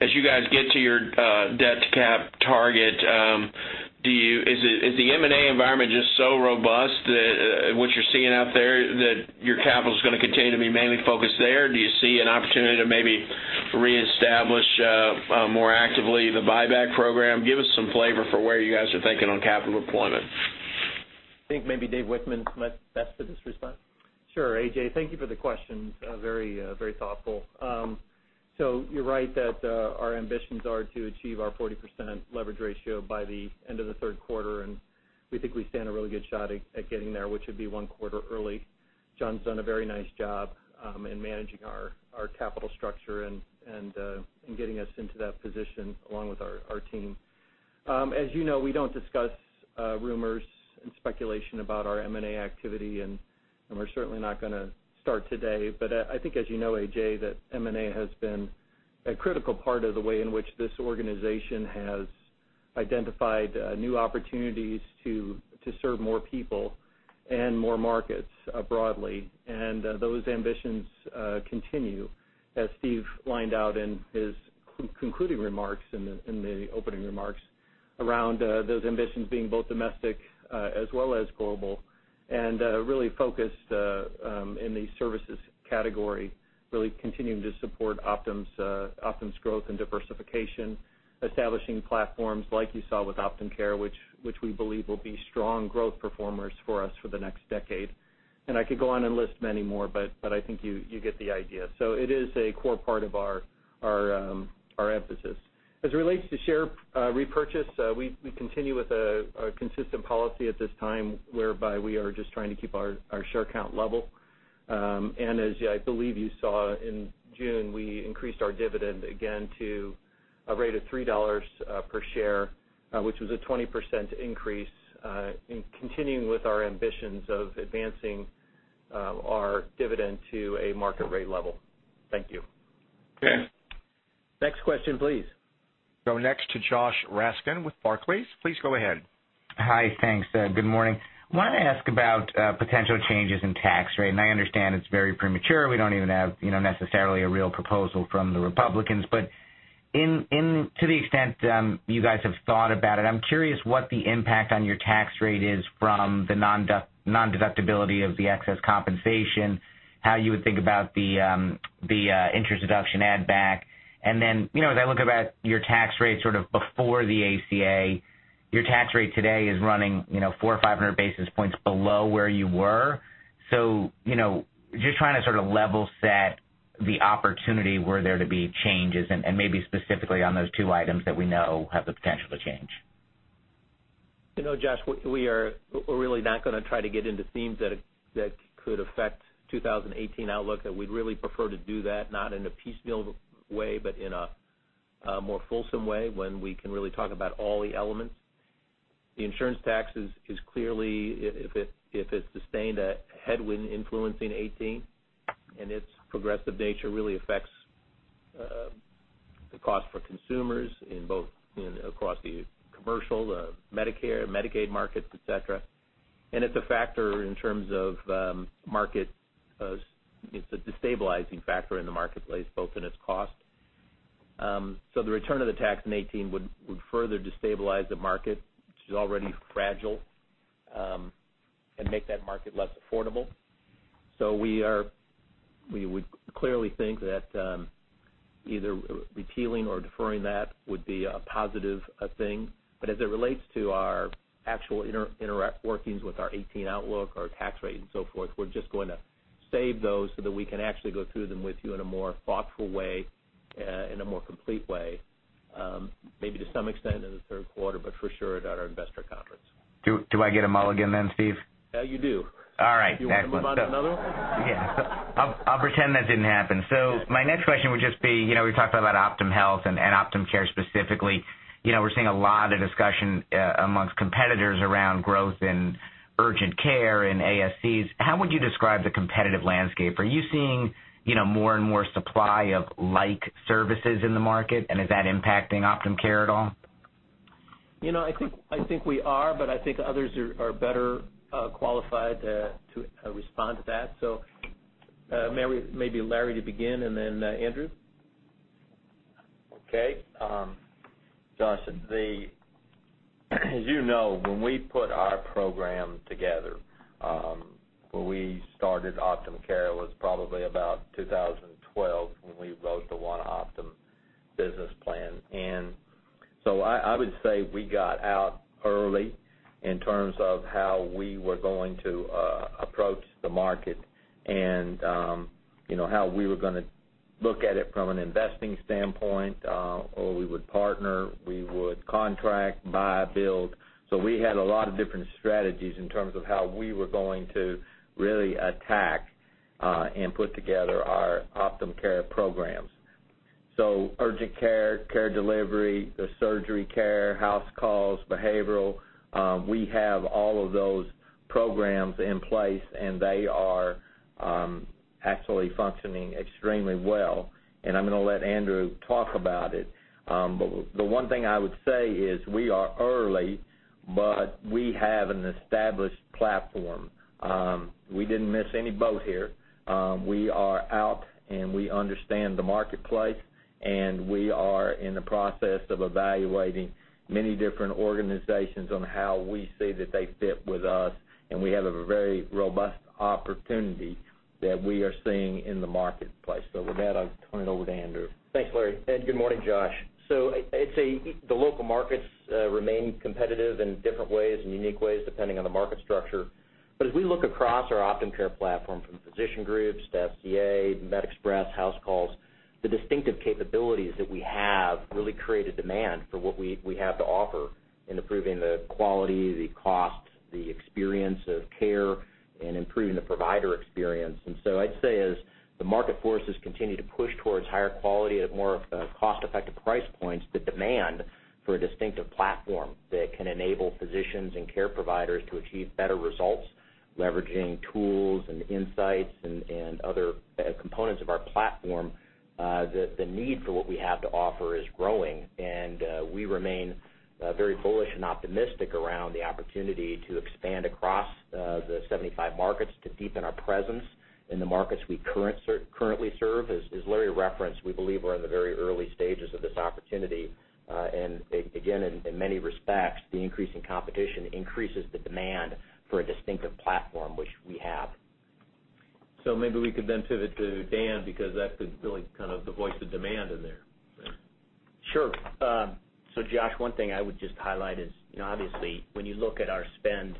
as you guys get to your debt to cap target, is the M&A environment just so robust that what you're seeing out there, that your capital's going to continue to be mainly focused there? Do you see an opportunity to maybe reestablish more actively the buyback program? Give us some flavor for where you guys are thinking on capital deployment. I think maybe David Wichmann's best for this response. Sure, A.J. Thank you for the question. Very thoughtful. You're right that our ambitions are to achieve our 40% leverage ratio by the end of the third quarter, we think we stand a really good shot at getting there, which would be one quarter early. John's done a very nice job in managing our capital structure and getting us into that position along with our team. As you know, we don't discuss rumors and speculation about our M&A activity, we're certainly not going to start today. I think as you know, A.J., that M&A has been a critical part of the way in which this organization has identified new opportunities to serve more people and more markets broadly. Those ambitions continue, as Steve lined out in his concluding remarks, in the opening remarks, around those ambitions being both domestic as well as global, and really focused in the services category, really continuing to support Optum's growth and diversification, establishing platforms like you saw with Optum Care, which we believe will be strong growth performers for us for the next decade. I could go on and list many more, but I think you get the idea. It is a core part of our emphasis. As it relates to share repurchase, we continue with a consistent policy at this time whereby we are just trying to keep our share count level. As I believe you saw in June, we increased our dividend again to a rate of $3 per share, which was a 20% increase, in continuing with our ambitions of advancing our dividend to a market rate level. Thank you. Okay. Next question, please. Go next to Josh Raskin with Barclays. Please go ahead. Hi. Thanks. Good morning. Wanted to ask about potential changes in tax rate. I understand it's very premature. We don't even have necessarily a real proposal from the Republicans. To the extent you guys have thought about it, I'm curious what the impact on your tax rate is from the non-deductibility of the excess compensation, how you would think about the interest deduction add back. As I look about your tax rate sort of before the Affordable Care Act, your tax rate today is running 400 or 500 basis points below where you were. Just trying to sort of level set the opportunity were there to be changes and maybe specifically on those two items that we know have the potential to change. Josh, we are really not going to try to get into themes that could affect 2018 outlook, that we'd really prefer to do that not in a piecemeal way, but in a more fulsome way when we can really talk about all the elements. The insurance tax is clearly, if it's sustained, a headwind influencing 2018, and its progressive nature really affects the cost for consumers in both across the commercial, the Medicare, Medicaid markets, et cetera. It's a factor in terms of market, it's a destabilizing factor in the marketplace, both in its cost. The return of the tax in 2018 would further destabilize the market, which is already fragile, and make that market less affordable. We would clearly think that either repealing or deferring that would be a positive thing. As it relates to our actual inner workings with our 2018 outlook, our tax rate and so forth, we're just going to save those so that we can actually go through them with you in a more thoughtful way, in a more complete way. Maybe to some extent in the third quarter, but for sure at our investor conference. Do I get a mulligan then, Steve? You do. All right. Excellent. You want to move on to another one? Yeah. I'll pretend that didn't happen. My next question would just be, we've talked about Optum Health and Optum Care specifically. We're seeing a lot of discussion amongst competitors around growth in urgent care and ASCs. How would you describe the competitive landscape? Are you seeing more and more supply of like services in the market, and is that impacting Optum Care at all? I think we are, but I think others are better qualified to respond to that. Maybe Larry to begin, and then Andrew. Okay. Josh, as you know, when we put our program together, when we started Optum Care was probably about 2012 when we wrote the One Optum business plan. I would say we got out early in terms of how we were going to approach the market and how we were going to look at it from an investing standpoint, or we would partner, we would contract, buy, build. We had a lot of different strategies in terms of how we were going to really attack, and put together our Optum Care programs. Urgent care delivery, the surgery care, house calls, behavioral, we have all of those programs in place, and they are actually functioning extremely well. I'm going to let Andrew talk about it. The one thing I would say is we are early, but we have an established platform. We didn't miss any boat here. We are out, and we understand the marketplace, and we are in the process of evaluating many different organizations on how we see that they fit with us, and we have a very robust opportunity that we are seeing in the marketplace. With that, I'll turn it over to Andrew. Thanks, Larry. Good morning, Josh. I'd say the local markets remain competitive in different ways and unique ways, depending on the market structure. As we look across our Optum Care platform from physician groups to SCA, MedExpress, HouseCalls, the distinctive capabilities that we have really create a demand for what we have to offer in improving the quality, the cost, the experience of care, and improving the provider experience. I'd say as the market forces continue to push towards higher quality at more cost-effective price points, the demand for a distinctive platform that can enable physicians and care providers to achieve better results, leveraging tools and insights and other components of our platform, the need for what we have to offer is growing. We remain very bullish and optimistic around the opportunity to expand across the 75 markets to deepen our presence in the markets we currently serve. As Larry referenced, we believe we're in the very early stages of this opportunity. Again, in many respects, the increase in competition increases the demand for a distinctive platform, which we have. Maybe we could then pivot to Dan, because that's really kind of the voice of demand in there. Sure. Josh, one thing I would just highlight is obviously when you look at our spend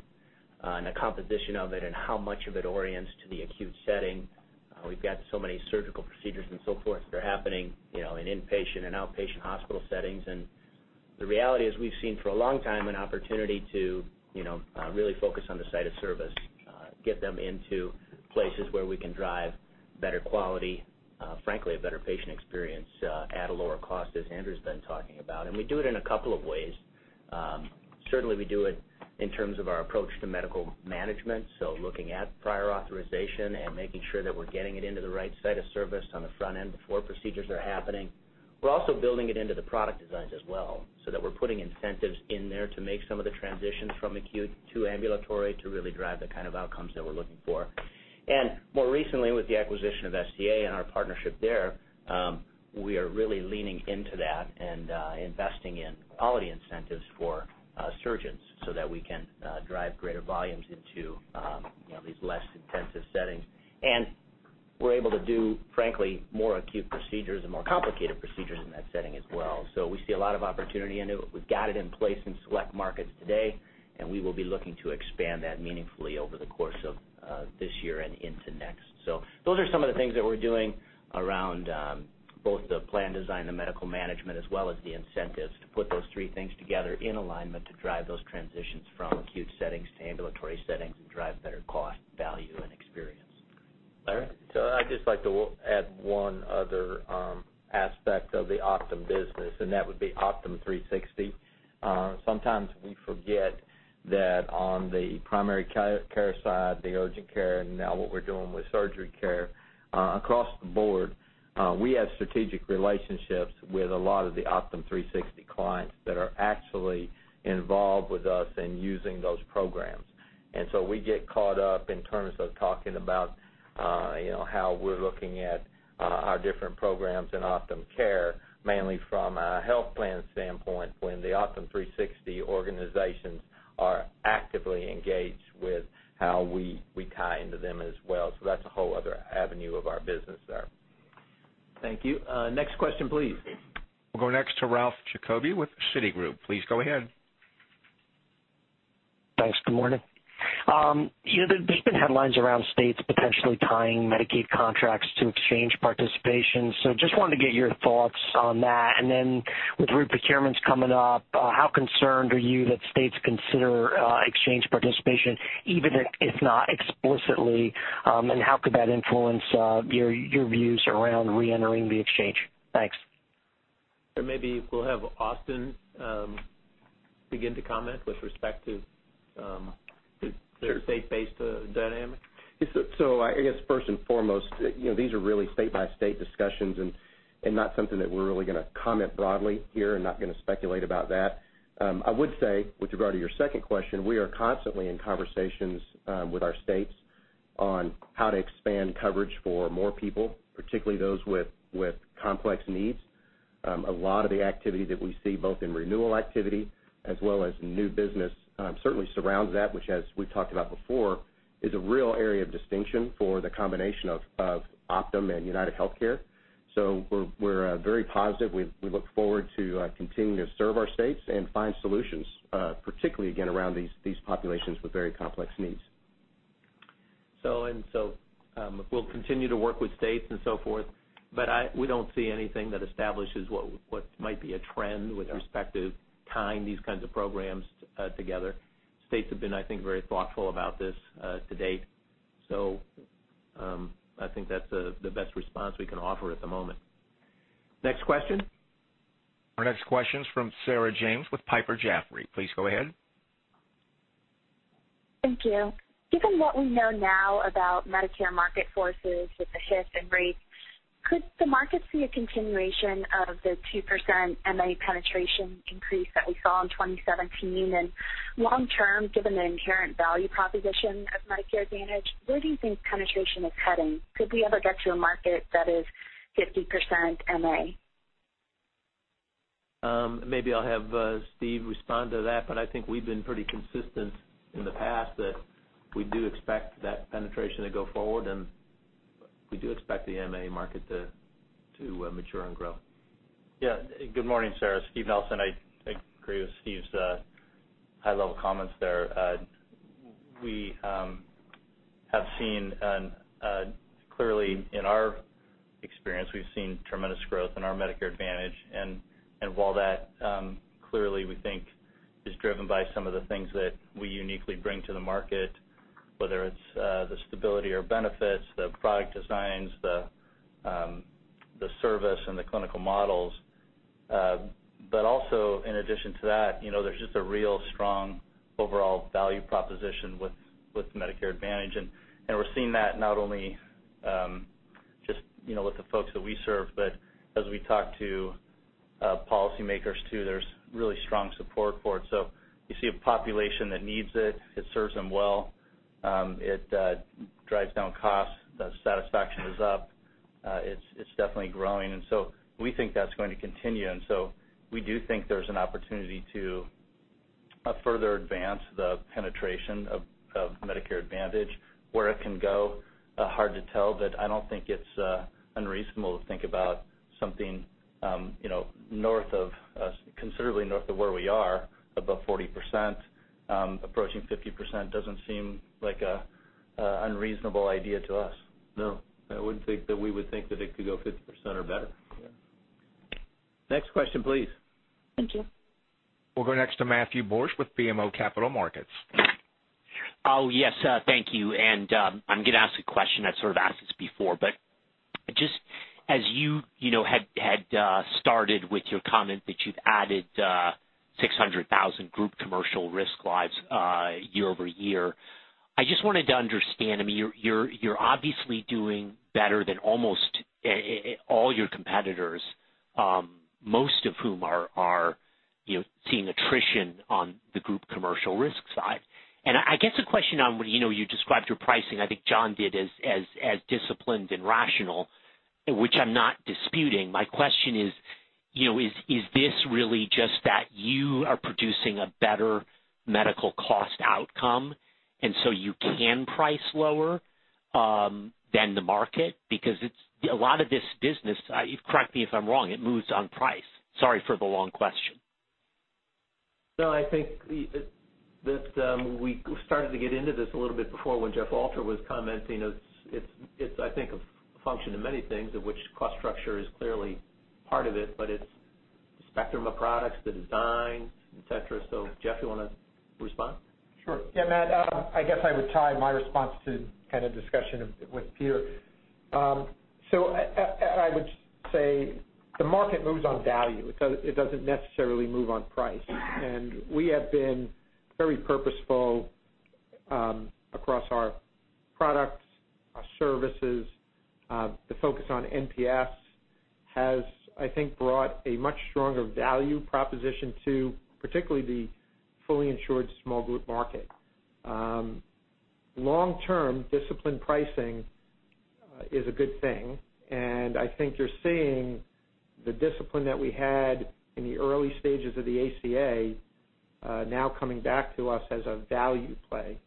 and the composition of it and how much of it orients to the acute setting, we've got so many surgical procedures and so forth that are happening in inpatient and outpatient hospital settings. The reality is we've seen for a long time an opportunity to really focus on the site of service, get them into places where we can drive better quality, frankly, a better patient experience at a lower cost, as Andrew's been talking about. We do it in a couple of ways. Certainly, we do it in terms of our approach to medical management, looking at prior authorization and making sure that we're getting it into the right site of service on the front end before procedures are happening. We're also building it into the product designs as well, so that we're putting incentives in there to make some of the transitions from acute to ambulatory to really drive the kind of outcomes that we're looking for. More recently, with the acquisition of SCA and our partnership there, we are really leaning into that and investing in quality incentives for surgeons so that we can drive greater volumes into these less intensive settings. We're able to do, frankly, more acute procedures and more complicated procedures in that setting as well. We see a lot of opportunity in it. We've got it in place in select markets today, we will be looking to expand that meaningfully over the course of this year and into next. Those are some of the things that we're doing around both the plan design, the medical management, as well as the incentives to put those three things together in alignment to drive those transitions from acute settings to ambulatory settings and drive better cost, value, and experience. Larry? I'd just like to add one other aspect of the Optum business, and that would be Optum360. Sometimes we forget that on the primary care side, the urgent care, and now what we're doing with surgery care, across the board, we have strategic relationships with a lot of the Optum360 clients that are actually involved with us in using those programs. We get caught up in terms of talking about how we're looking at our different programs in Optum Care, mainly from a health plan standpoint, when the Optum360 organizations are actively engaged with how we tie into them as well. That's a whole other avenue of our business there. Thank you. Next question, please. We'll go next to Ralph Giacobbe with Citigroup. Please go ahead. Thanks. Good morning. There's been headlines around states potentially tying Medicaid contracts to exchange participation, just wanted to get your thoughts on that. With re-procurements coming up, how concerned are you that states consider exchange participation even if not explicitly? How could that influence your views around re-entering the exchange? Thanks. Maybe we'll have Austin begin to comment with respect to state-based dynamic. I guess first and foremost, these are really state-by-state discussions and not something that we're really going to comment broadly here and not going to speculate about that. I would say, with regard to your second question, we are constantly in conversations with our states on how to expand coverage for more people, particularly those with complex needs. A lot of the activity that we see, both in renewal activity as well as new business, certainly surrounds that, which as we've talked about before, is a real area of distinction for the combination of Optum and UnitedHealthcare. We're very positive. We look forward to continuing to serve our states and find solutions, particularly again, around these populations with very complex needs. We'll continue to work with states and so forth, but we don't see anything that establishes what might be a trend with respect to tying these kinds of programs together. States have been, I think, very thoughtful about this to date. I think that's the best response we can offer at the moment. Next question? Our next question is from Sarah James with Piper Jaffray. Please go ahead. Thank you. Given what we know now about Medicare market forces with the shift in rates, could the market see a continuation of the 2% MA penetration increase that we saw in 2017? Long term, given the inherent value proposition of Medicare Advantage, where do you think penetration is heading? Could we ever get to a market that is 50% MA? Maybe I'll have Steve respond to that, I think we've been pretty consistent in the past that we do expect that penetration to go forward, we do expect the MA market to mature and grow. Good morning, Sarah. Steve Nelson. I agree with Steve's high-level comments there. Clearly in our experience, we've seen tremendous growth in our Medicare Advantage. While that clearly, we think, is driven by some of the things that we uniquely bring to the market, whether it's the stability or benefits, the product designs, the service, and the clinical models. Also in addition to that, there's just a real strong overall value proposition with Medicare Advantage, we're seeing that not only just with the folks that we serve, as we talk to policymakers too, there's really strong support for it. You see a population that needs it. It serves them well. It drives down costs. The satisfaction is up. It's definitely growing, we think that's going to continue, we do think there's an opportunity to further advance the penetration of Medicare Advantage. Where it can go, hard to tell, but I don't think it's unreasonable to think about something considerably north of where we are, above 40%. Approaching 50% doesn't seem like an unreasonable idea to us. No, I would think that we would think that it could go 50% or better. Yeah. Next question, please. Thank you. We'll go next to Matthew Borsch with BMO Capital Markets. Thank you. I'm going to ask a question that sort of asked this before, but just as you had started with your comment that you've added 600,000 group commercial risk lives year-over-year, I just wanted to understand. You're obviously doing better than almost all your competitors, most of whom are seeing attrition on the group commercial risk side. I guess a question on when you described your pricing, I think John did, as disciplined and rational, which I'm not disputing. My question is this really just that you are producing a better medical cost outcome, and so you can price lower than the market? A lot of this business, correct me if I'm wrong, it moves on price. Sorry for the long question. No, I think that we started to get into this a little bit before when Jeff Alter was commenting. It's I think a function of many things of which cost structure is clearly part of it, but it's the spectrum of products, the design, et cetera. Jeff, you want to respond? Sure. Yeah, Matt, I guess I would tie my response to kind of discussion with Peter. I would say the market moves on value. It doesn't necessarily move on price. We have been very purposeful across our products, our services. The focus on NPS has, I think, brought a much stronger value proposition to particularly the fully insured small group market. Long-term discipline pricing is a good thing, and I think you're seeing the discipline that we had in the early stages of the ACA now coming back to us as a value play.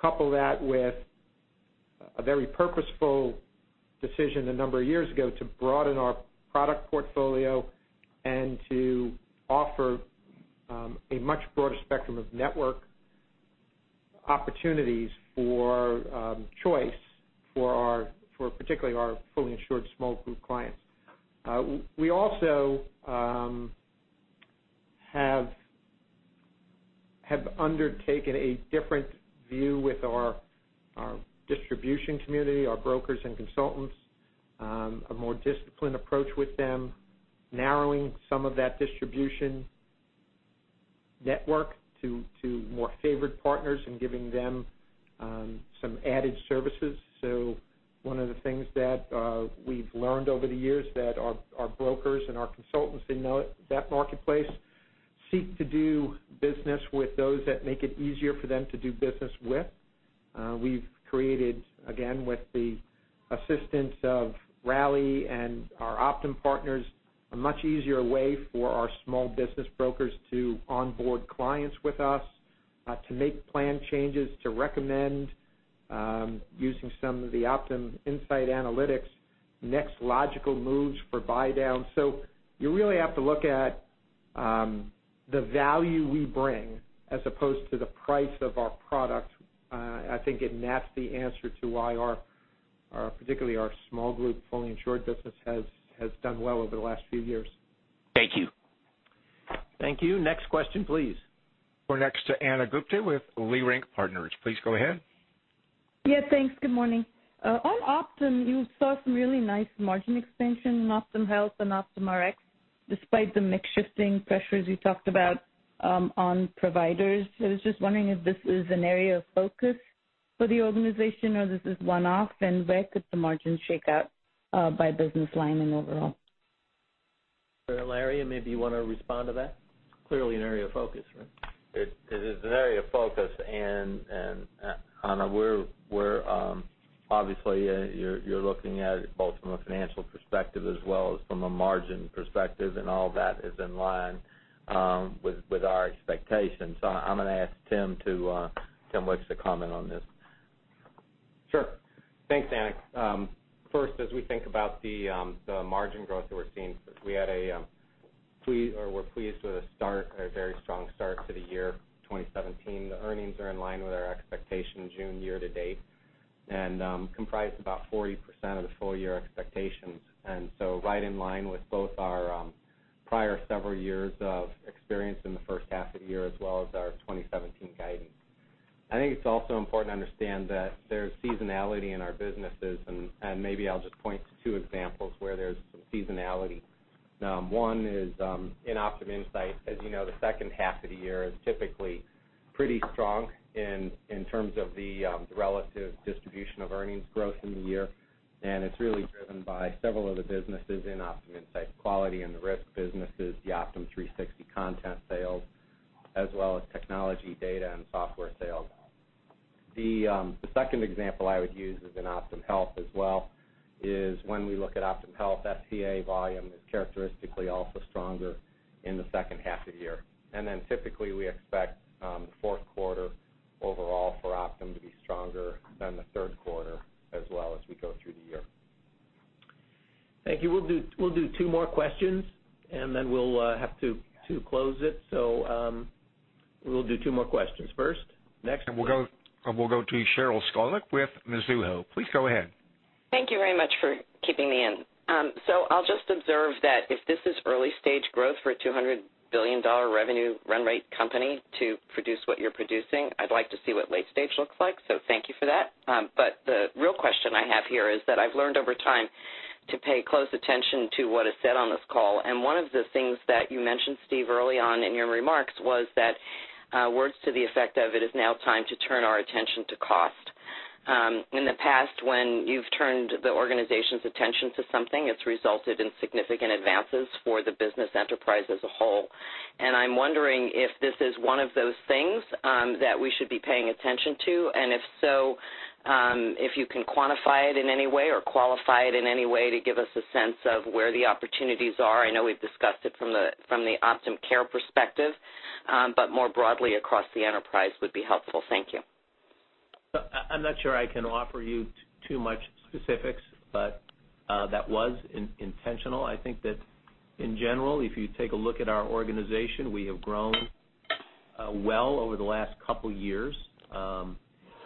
Couple that with a very purposeful decision a number of years ago to broaden our product portfolio and to offer a much broader spectrum of network opportunities for choice for particularly our fully insured small group clients. We also have undertaken a different view with our distribution community, our brokers and consultants, a more disciplined approach with them, narrowing some of that distribution network to more favored partners and giving them some added services. One of the things that we've learned over the years that our brokers and our consultants in that marketplace seek to do business with those that make it easier for them to do business with. We've created, again, with the assistance of Rally and our Optum partners, a much easier way for our small business brokers to onboard clients with us, to make plan changes, to recommend, using some of the OptumInsight analytics, next logical moves for buydowns. You really have to look at the value we bring as opposed to the price of our product. I think that's the answer to why particularly our small group fully insured business has done well over the last few years. Thank you. Thank you. Next question, please. We're next to Ana Gupte with Leerink Partners. Please go ahead. Yeah, thanks. Good morning. On Optum, you saw some really nice margin expansion in Optum Health and Optum Rx, despite the mix shifting pressures you talked about on providers. I was just wondering if this is an area of focus for the organization or this is one-off, and where could the margins shake out by business line and overall? Larry, maybe you want to respond to that? Clearly an area of focus, right? It is an area of focus, and Ana, obviously you're looking at it both from a financial perspective as well as from a margin perspective, and all that is in line with our expectations. I'm going to ask Tim Wicks to comment on this. Sure. Thanks, Ana. First, as we think about the margin growth that we're seeing, we're pleased with a very strong start to the year 2017. The earnings are in line with our expectations June year to date and comprise about 40% of the full year expectations. Right in line with both our prior several years of experience in the first half of the year as well as our 2017 guidance. I think it's also important to understand that there's seasonality in our businesses, and maybe I'll just point to two examples where there's some seasonality. One is in OptumInsight. As you know, the second half of the year is typically pretty strong in terms of the relative distribution of earnings growth in the year, and it's really driven by several of the businesses in OptumInsight quality and the risk businesses, the Optum360 content sales, as well as technology data and software sales. The second example I would use is in Optum Health as well, is when we look at Optum Health, SCA volume is characteristically also stronger in the second half of the year. Typically we expect the fourth quarter overall for Optum to be stronger than the third quarter as well as we go through the year. Thank you. We'll do two more questions, and then we'll have to close it. We'll do two more questions first. Next. We'll go to Sheryl Skolnick with Mizuho. Please go ahead. Thank you very much for keeping me in. I'll just observe that if this is early-stage growth for a $200 billion revenue run rate company to produce what you're producing, I'd like to see what late stage looks like. Thank you for that. The real question I have here is that I've learned over time to pay close attention to what is said on this call, and one of the things that you mentioned, Steve, early on in your remarks was that, words to the effect of, it is now time to turn our attention to cost. In the past, when you've turned the organization's attention to something, it's resulted in significant advances for the business enterprise as a whole. I'm wondering if this is one of those things that we should be paying attention to, and if so, if you can quantify it in any way or qualify it in any way to give us a sense of where the opportunities are. I know we've discussed it from the Optum Care perspective, but more broadly across the enterprise would be helpful. Thank you. I'm not sure I can offer you too much specifics. That was intentional. I think that in general, if you take a look at our organization, we have grown well over the last couple years.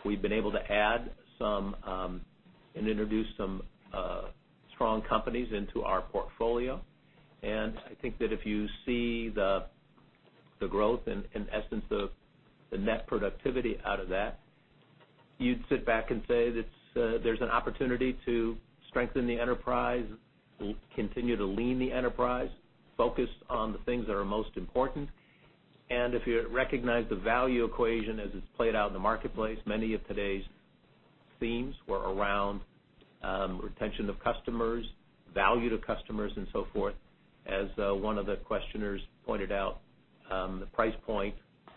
We've been able to add some and introduce some strong companies into our portfolio. I think that if you see the growth and essence of the net productivity out of that, you'd sit back and say that there's an opportunity to strengthen the enterprise, continue to lean the enterprise, focused on the things that are most important. If you recognize the value equation as it's played out in the marketplace, many of today's themes were around retention of customers, value to customers, and so forth. As one of the questioners pointed out, the price point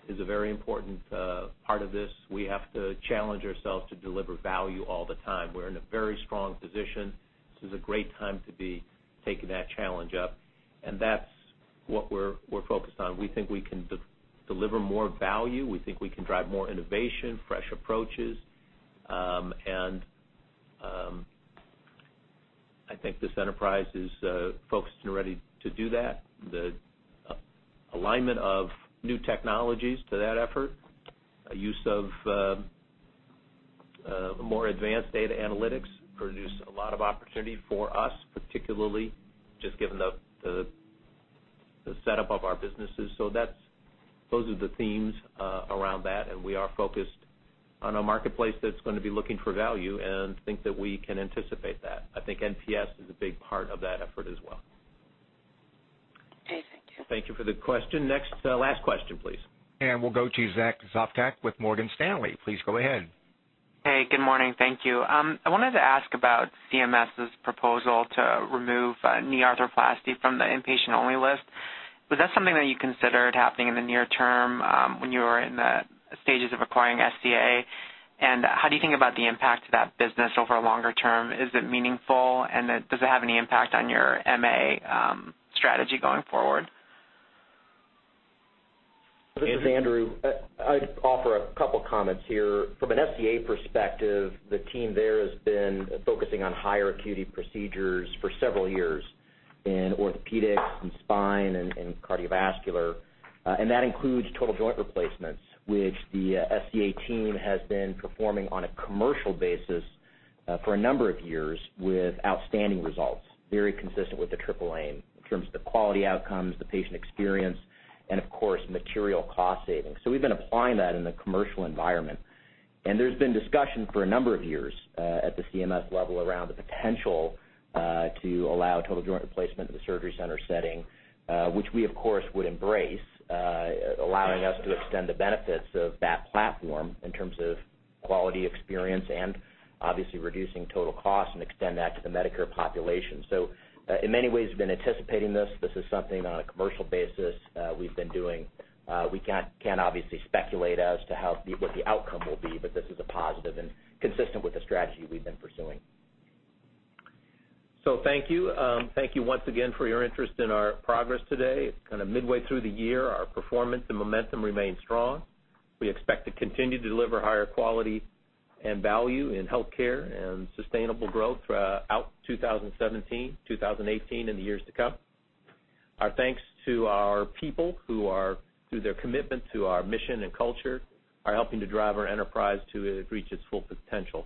is a very important part of this. We have to challenge ourselves to deliver value all the time. We're in a very strong position. This is a great time to be taking that challenge up, and that's what we're focused on. We think we can deliver more value. We think we can drive more innovation, fresh approaches. I think this enterprise is focused and ready to do that. The alignment of new technologies to that effort, use of more advanced data analytics produce a lot of opportunity for us, particularly just given the setup of our businesses. Those are the themes around that, and we are focused on a marketplace that's going to be looking for value and think that we can anticipate that. I think NPS is a big part of that effort as well. Okay, thank you. Thank you for the question. Next, last question, please. We'll go to Zack Sopcak with Morgan Stanley. Please go ahead. Hey, good morning. Thank you. I wanted to ask about CMS's proposal to remove knee arthroplasty from the inpatient-only list. Was that something that you considered happening in the near term when you were in the stages of acquiring SCA? How do you think about the impact to that business over a longer term? Is it meaningful? Does it have any impact on your MA strategy going forward? This is Andrew. I'd offer a couple comments here. From an SCA perspective, the team there has been focusing on higher acuity procedures for several years in orthopedics and spine and cardiovascular. That includes total joint replacements, which the SCA team has been performing on a commercial basis for a number of years with outstanding results, very consistent with the triple aim in terms of the quality outcomes, the patient experience, and of course, material cost savings. We've been applying that in the commercial environment. There's been discussion for a number of years at the CMS level around the potential to allow total joint replacement at the surgery center setting, which we of course would embrace, allowing us to extend the benefits of that platform in terms of quality experience and obviously reducing total cost and extend that to the Medicare population. In many ways, we've been anticipating this. This is something on a commercial basis, we've been doing. We can't obviously speculate as to what the outcome will be, but this is a positive and consistent with the strategy we've been pursuing. Thank you. Thank you once again for your interest in our progress today. It's kind of midway through the year. Our performance and momentum remain strong. We expect to continue to deliver higher quality and value in healthcare and sustainable growth throughout 2017, 2018, and the years to come. Our thanks to our people who are, through their commitment to our mission and culture, are helping to drive our enterprise to reach its full potential.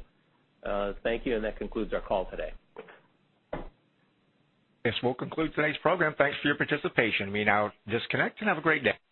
Thank you. That concludes our call today. This will conclude today's program. Thanks for your participation. You may now disconnect and have a great day.